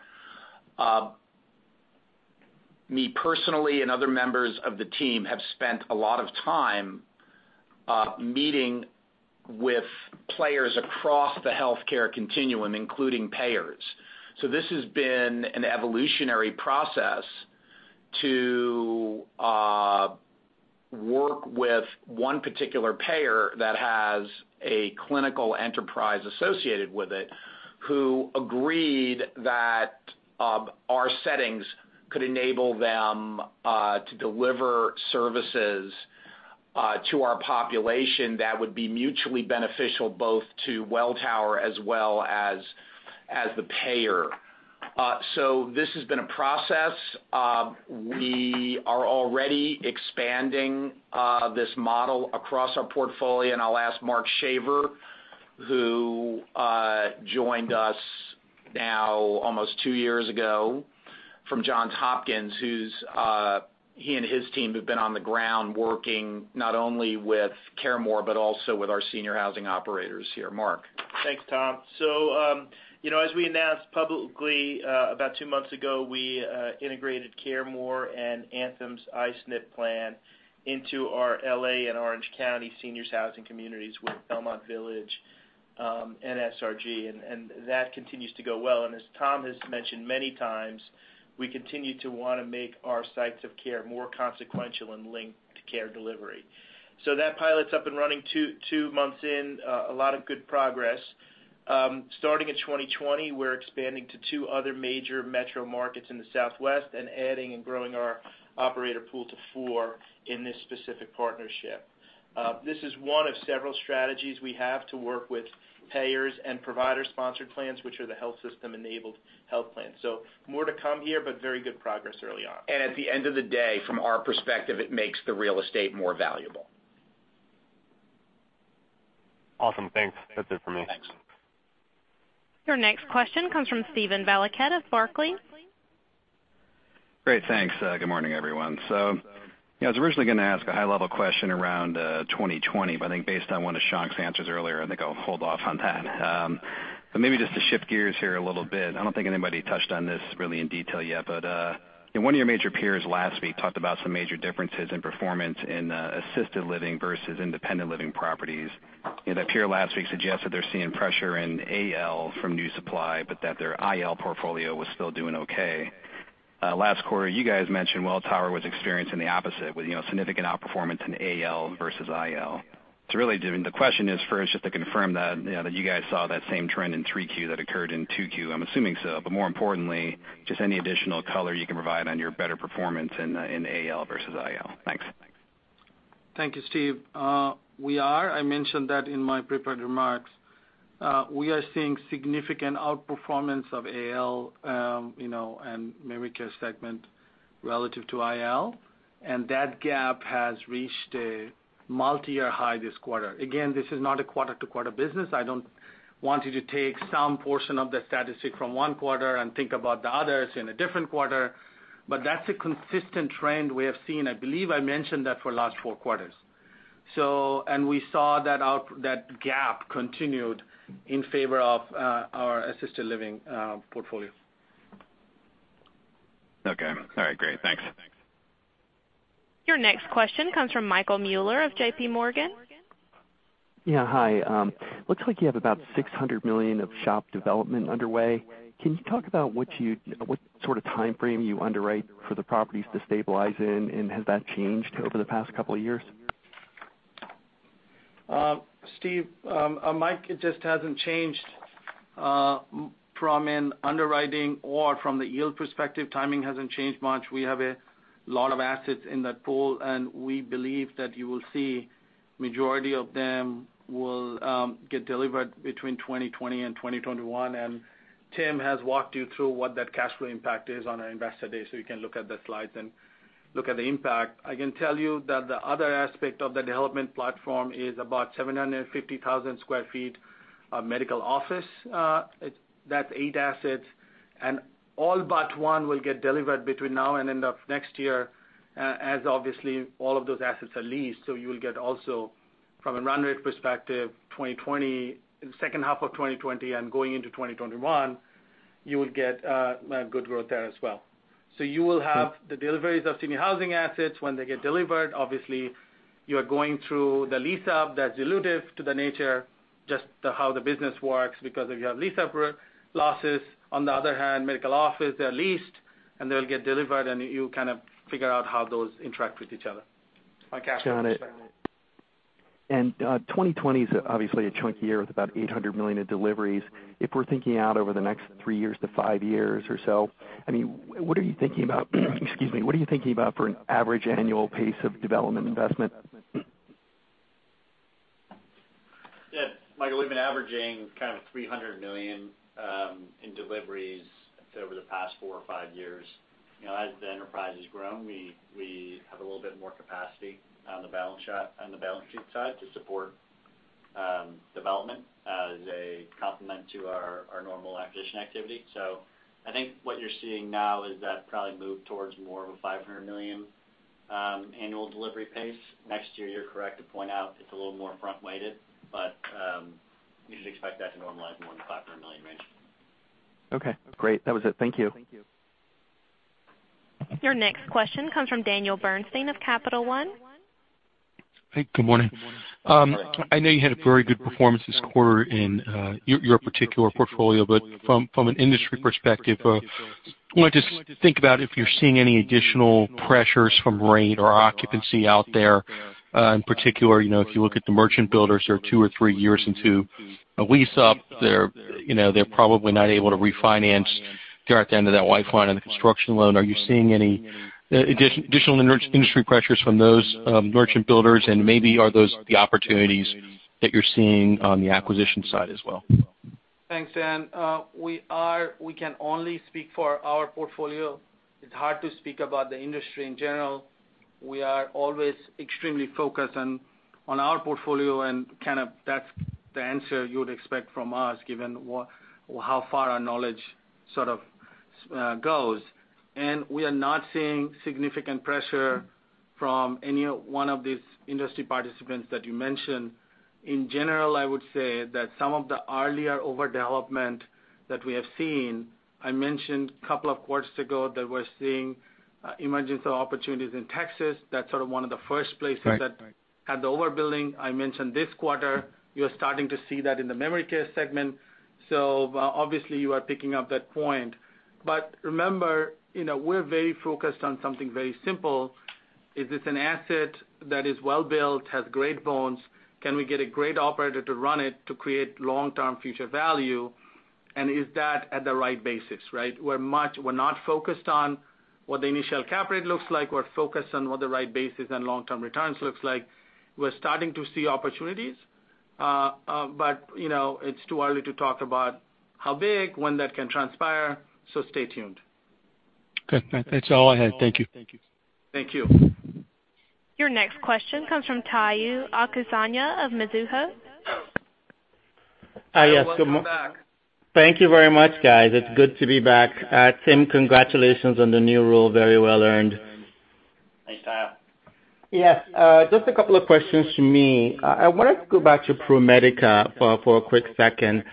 Me personally and other members of the team have spent a lot of time meeting with players across the healthcare continuum, including payers. This has been an evolutionary process to work with one particular payer that has a clinical enterprise associated with it, who agreed that our settings could enable them to deliver services to our population that would be mutually beneficial both to Welltower as well as the payer. This has been a process. We are already expanding this model across our portfolio, and I'll ask Mark Shaver, who joined us now almost two years ago from Johns Hopkins. He and his team have been on the ground working not only with CareMore, but also with our senior housing operators here. Mark. Thanks, Tom. As we announced publicly about two months ago, we integrated CareMore and Anthem's I-SNP plan into our L.A. and Orange County seniors housing communities with Belmont Village, and SRG, and that continues to go well. As Tom has mentioned many times, we continue to want to make our sites of care more consequential and linked to care delivery. That pilot's up and running two months in, a lot of good progress. Starting in 2020, we're expanding to two other major metro markets in the Southwest and adding and growing our operator pool to four in this specific partnership. This is one of several strategies we have to work with payers and provider-sponsored plans, which are the health system enabled health plans. More to come here, but very good progress early on. At the end of the day, from our perspective, it makes the real estate more valuable. Awesome. Thanks. That's it for me. Thanks. Your next question comes from Steven Valiquette of Barclays. Great. Thanks. Good morning, everyone. I was originally going to ask a high-level question around 2020, but I think based on one of Shankh's answers earlier, I think I'll hold off on that. Maybe just to shift gears here a little bit. I don't think anybody touched on this really in detail yet, but one of your major peers last week talked about some major differences in performance in assisted living versus independent living properties. That peer last week suggested they're seeing pressure in AL from new supply, but that their IL portfolio was still doing okay. Last quarter, you guys mentioned Welltower was experiencing the opposite with significant outperformance in AL versus IL. Really, the question is first just to confirm that you guys saw that same trend in 3Q that occurred in 2Q. I'm assuming so, but more importantly, just any additional color you can provide on your better performance in AL versus IL. Thanks. Thank you, Steve. We are. I mentioned that in my prepared remarks. We are seeing significant outperformance of AL and memory care segment relative to IL, that gap has reached a multi-year high this quarter. Again, this is not a quarter-to-quarter business. I don't want you to take some portion of the statistic from one quarter and think about the others in a different quarter. That's a consistent trend we have seen. I believe I mentioned that for last four quarters. We saw that gap continued in favor of our assisted living portfolio. Okay. All right, great. Thanks. Your next question comes from Michael Mueller of JPMorgan. Yeah, hi. Looks like you have about $600 million of SHOP development underway. Can you talk about what sort of timeframe you underwrite for the properties to stabilize in, and has that changed over the past couple of years? Steve, Mike, it just hasn't changed, from an underwriting or from the yield perspective, timing hasn't changed much. We have a lot of assets in that pool, and we believe that you will see majority of them will get delivered between 2020 and 2021. Tim has walked you through what that cash flow impact is on our Investor Day, so you can look at the slides and look at the impact. I can tell you that the other aspect of the development platform is about 750,000 sq ft of medical office. That's eight assets, and all but one will get delivered between now and end of next year as obviously all of those assets are leased. You will get also, from a run rate perspective, second half of 2020 and going into 2021, you will get good growth there as well. You will have the deliveries of senior housing assets. When they get delivered, obviously, you are going through the lease-up that's dilutive to the nature, just how the business works, because if you have lease-up losses. On the other hand, medical office, they are leased, and they'll get delivered, and you kind of figure out how those interact with each other. Mike, Ashley. Got it. 2020 is obviously a chunky year with about $800 million in deliveries. If we're thinking out over the next three years to five years or so, what are you thinking about for an average annual pace of development investment? Michael, we've been averaging $300 million in deliveries over the past four or five years. As the enterprise has grown, we have a little bit more capacity on the balance sheet side to support development as a complement to our normal acquisition activity. I think what you're seeing now is that probably move towards more of a $500 million annual delivery pace. Next year, you're correct to point out it's a little more front-weighted, but you should expect that to normalize more in the $500 million range. Okay, great. That was it. Thank you. Your next question comes from Daniel Bernstein of Capital One. Hey, good morning. I know you had a very good performance this quarter in your particular portfolio, but from an industry perspective, I want to just think about if you're seeing any additional pressures from rate or occupancy out there. In particular, if you look at the merchant builders who are two or three years into a lease-up, they're probably not able to refinance toward the end of that Y fund and the construction loan. Are you seeing any additional industry pressures from those merchant builders, and maybe are those the opportunities that you're seeing on the acquisition side as well? Thanks, Dan. We can only speak for our portfolio. It's hard to speak about the industry in general. We are always extremely focused on our portfolio and that's the answer you would expect from us given how far our knowledge sort of goes. We are not seeing significant pressure from any one of these industry participants that you mentioned. In general, I would say that some of the earlier overdevelopment that we have seen, I mentioned a couple of quarters ago that we're seeing emergence of opportunities in Texas. That's sort of one of the first places that. Right had the overbuilding. I mentioned this quarter, you're starting to see that in the memory care segment. Obviously you are picking up that point. Remember, we're very focused on something very simple. Is this an asset that is well-built, has great bones? Can we get a great operator to run it to create long-term future value? Is that at the right basis, right? We're not focused on what the initial cap rate looks like. We're focused on what the right basis and long-term returns looks like. We're starting to see opportunities. It's too early to talk about how big, when that can transpire, so stay tuned. Okay. That's all I had. Thank you. Thank you. Your next question comes from Tayo Okusanya of Mizuho. Hi, yes. Welcome back. Thank you very much, guys. It's good to be back. Tim, congratulations on the new role. Very well earned. Thanks, Tayo. Yes. Just a couple of questions from me. I wanted to go back to ProMedica for a quick second.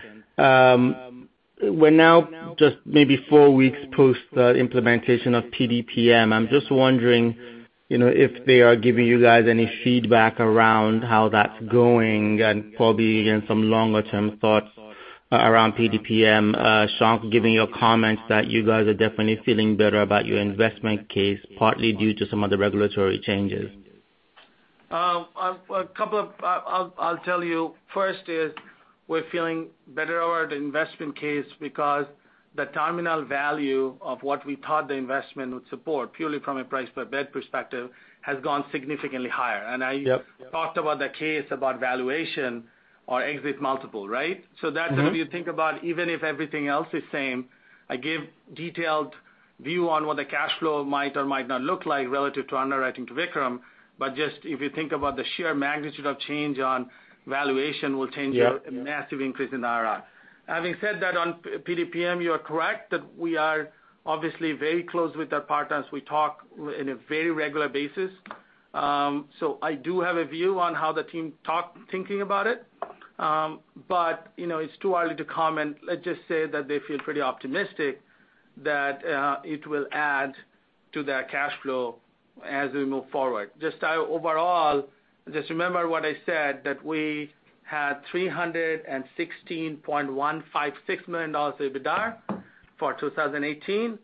We're now just maybe four weeks post the implementation of PDPM. I'm just wondering if they are giving you guys any feedback around how that's going and probably again, some longer-term thoughts around PDPM. Shankh, given your comments that you guys are definitely feeling better about your investment case, partly due to some of the regulatory changes. I'll tell you. First is we're feeling better about the investment case because the terminal value of what we thought the investment would support, purely from a price per bed perspective, has gone significantly higher. Yep talked about the case about valuation or exit multiple, right? That's when you think about even if everything else is same, I give detailed view on what the cash flow might or might not look like relative to underwriting to Vikram, but just if you think about the sheer magnitude of change on valuation will change. Yep a massive increase in IRR. Having said that, on PDPM, you are correct that we are obviously very close with our partners. We talk in a very regular basis. I do have a view on how the team thinking about it. It's too early to comment. Let's just say that they feel pretty optimistic that it will add to their cash flow as we move forward. Just overall, just remember what I said, that we had $316.156 million of EBITDAR for 2018.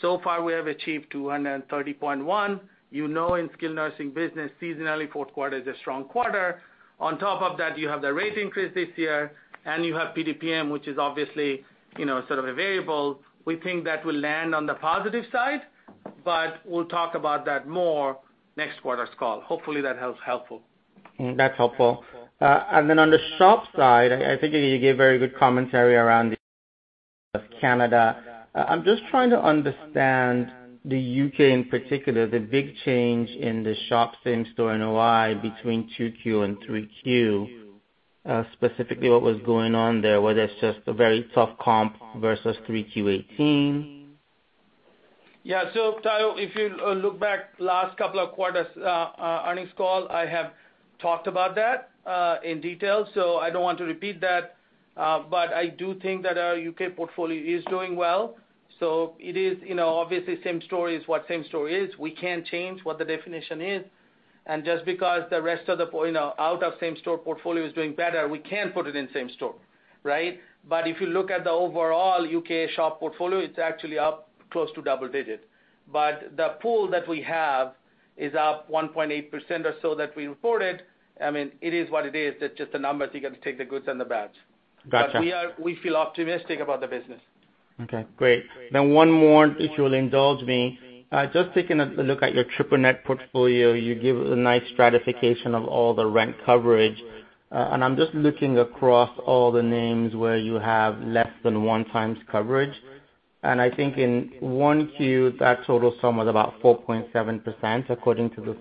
So far, we have achieved $230.1 million. You know in skilled nursing business, seasonally, fourth quarter is a strong quarter. On top of that, you have the rate increase this year, and you have PDPM, which is obviously sort of a variable. We think that will land on the positive side. We'll talk about that more next quarter's call. Hopefully, that helps helpful. That's helpful. On the SHOP side, I think you gave very good commentary around Canada. I'm just trying to understand the U.K. in particular, the big change in the SHOP same-store NOI between two Q and three Q. Specifically, what was going on there, whether it's just a very soft comp versus three Q 2018. Yeah. Tayo, if you look back last couple of quarters earnings call, I have talked about that in detail, I don't want to repeat that. I do think that our U.K. portfolio is doing well. It is obviously same story as what same story is. We can't change what the definition is. Just because the rest of the out of same-store portfolio is doing better, we can't put it in same-store. Right. If you look at the overall U.K. SHOP portfolio, it's actually up close to double-digit. The pool that we have is up 1.8% or so that we reported. It is what it is. It's just the numbers. You got to take the goods and the bads. Gotcha. We feel optimistic about the business. Okay, great. One more, if you'll indulge me. Just taking a look at your triple net portfolio, you give a nice stratification of all the rent coverage. I'm just looking across all the names where you have less than one times coverage. I think in 1Q, that total sum was about 4.7%, according to the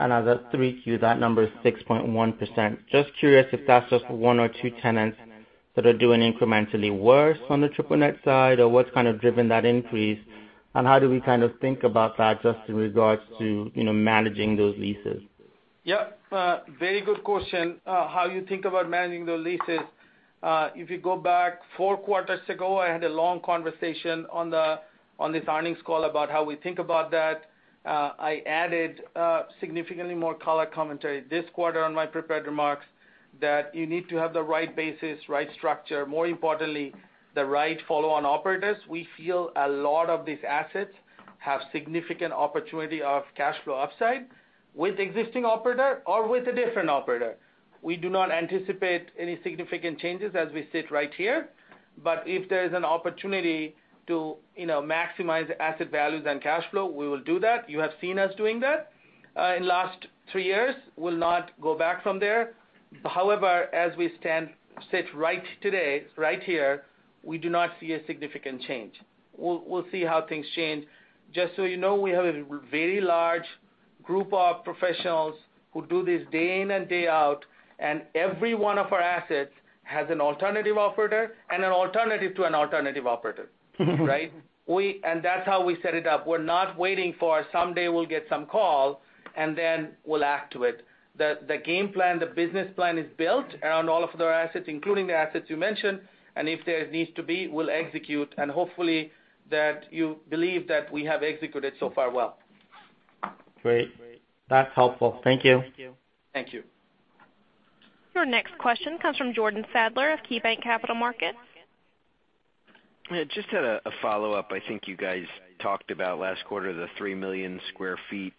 sub. As of 3Q, that number is 6.1%. Just curious if that's just one or two tenants that are doing incrementally worse on the triple net side, or what's kind of driven that increase, and how do we kind of think about that just in regards to managing those leases? Yeah. Very good question. How you think about managing those leases. If you go back four quarters ago, I had a long conversation on this earnings call about how we think about that. I added significantly more color commentary this quarter on my prepared remarks that you need to have the right basis, right structure, more importantly, the right follow-on operators. We feel a lot of these assets have significant opportunity of cash flow upside with existing operator or with a different operator. We do not anticipate any significant changes as we sit right here. If there's an opportunity to maximize asset values and cash flow, we will do that. You have seen us doing that in last three years. We'll not go back from there. However, as we sit right today, right here, we do not see a significant change. We'll see how things change. Just so you know, we have a very large group of professionals who do this day in and day out, and every one of our assets has an alternative operator and an alternative to an alternative operator. Right? That's how we set it up. We're not waiting for someday we'll get some call, and then we'll act to it. The game plan, the business plan is built around all of their assets, including the assets you mentioned. If there needs to be, we'll execute, and hopefully that you believe that we have executed so far well. Great. That's helpful. Thank you. Thank you. Your next question comes from Jordan Sadler of KeyBanc Capital Markets. Yeah, just had a follow-up. I think you guys talked about last quarter, the 3 million sq ft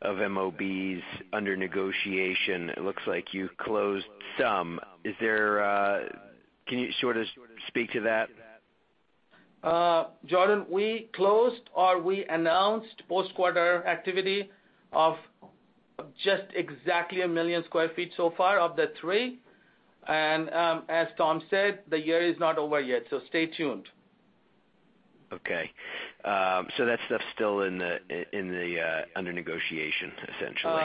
of MOBs under negotiation. It looks like you closed some. Can you sort of speak to that? Jordan, we closed or we announced post-quarter activity of just exactly 1 million sq ft so far of the three. As Tom said, the year is not over yet. Stay tuned. Okay. That stuff's still under negotiation, essentially.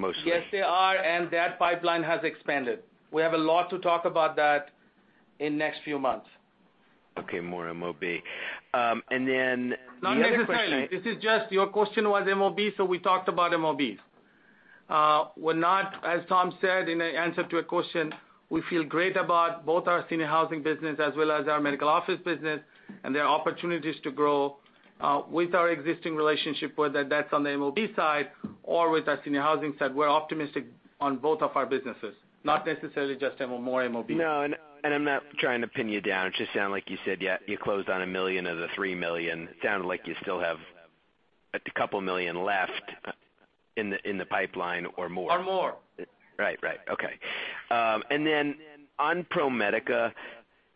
Mostly. Yes, they are, and that pipeline has expanded. We have a lot to talk about that in next few months. Okay, more MOB. The other question- Not necessarily. This is just your question was MOB. We talked about MOB. As Tom said in an answer to a question, we feel great about both our senior housing business as well as our medical office business. There are opportunities to grow, with our existing relationship, whether that's on the MOB side or with our senior housing side. We're optimistic on both of our businesses, not necessarily just more MOB. No. I'm not trying to pin you down. It just sound like you said, yeah, you closed on $1 million of the $3 million. It sounded like you still have a couple million USD left in the pipeline or more. Or more. Right. Okay. On ProMedica,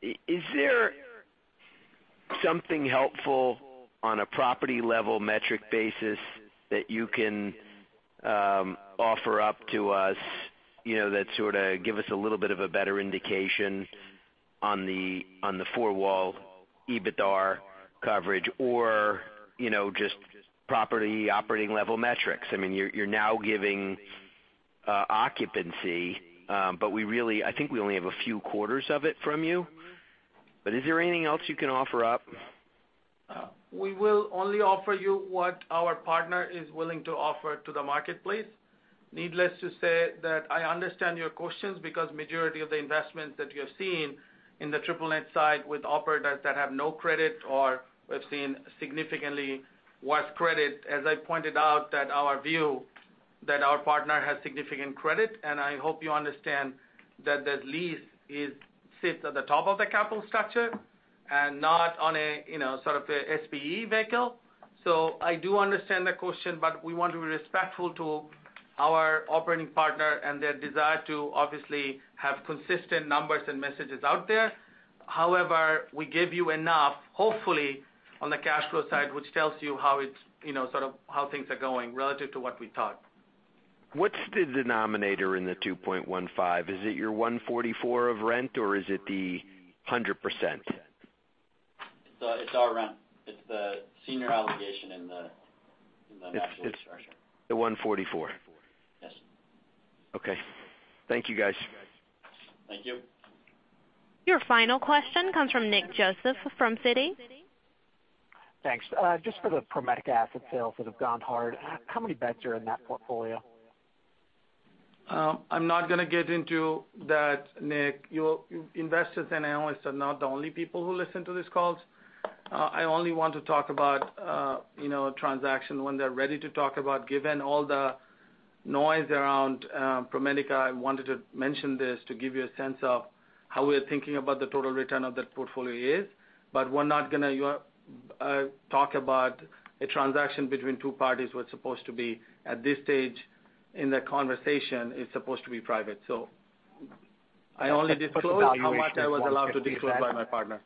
is there something helpful on a property level metric basis that you can offer up to us, that sort of give us a little bit of a better indication on the four-wall EBITDAR coverage, or just property operating level metrics? You're now giving occupancy, I think we only have a few quarters of it from you. Is there anything else you can offer up? We will only offer you what our partner is willing to offer to the marketplace. Needless to say that I understand your questions because majority of the investments that you have seen in the triple net side with operators that have no credit or we've seen significantly worse credit, as I pointed out that our view that our partner has significant credit, and I hope you understand that the lease sits at the top of the capital structure and not on a sort of a SPE vehicle. I do understand the question, but we want to be respectful to our operating partner and their desire to obviously have consistent numbers and messages out there. However, we gave you enough, hopefully, on the cash flow side, which tells you how things are going relative to what we thought. What's the denominator in the 2.15? Is it your 144 of rent or is it the 100%? It's our rent. It's the senior obligation in the national structure. The 144? Yes. Okay. Thank you, guys. Thank you. Your final question comes from Nick Joseph from Citi. Thanks. Just for the ProMedica asset sales that have gone hard, how many beds are in that portfolio? I'm not going to get into that, Nick. Investors and analysts are not the only people who listen to these calls. I only want to talk about transaction when they're ready to talk about. Given all the noise around ProMedica, I wanted to mention this to give you a sense of how we're thinking about the total return of that portfolio is. We're not going to talk about a transaction between two parties, at this stage in the conversation, it's supposed to be private. I only disclose how much I was allowed to disclose by my partner.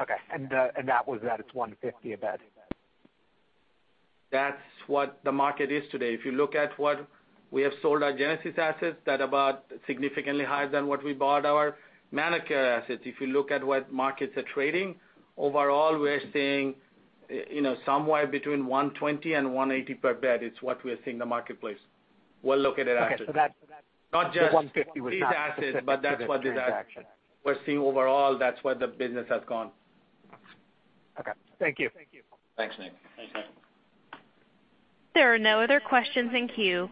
Okay. That was at its $150 a bed? That's what the market is today. If you look at what we have sold our Genesis assets, they're about significantly higher than what we bought our ManorCare assets. If you look at what markets are trading, overall, we're seeing somewhere between $120 and $180 per bed is what we're seeing the marketplace well located at. Okay. Not just these assets. The $150 was assets- that's what this asset- For this transaction. We're seeing overall, that's where the business has gone. Okay. Thank you. Thanks, Nick. There are no other questions in queue.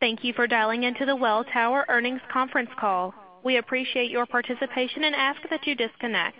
Thank you for dialing into the Welltower Earnings Conference Call. We appreciate your participation and ask that you disconnect.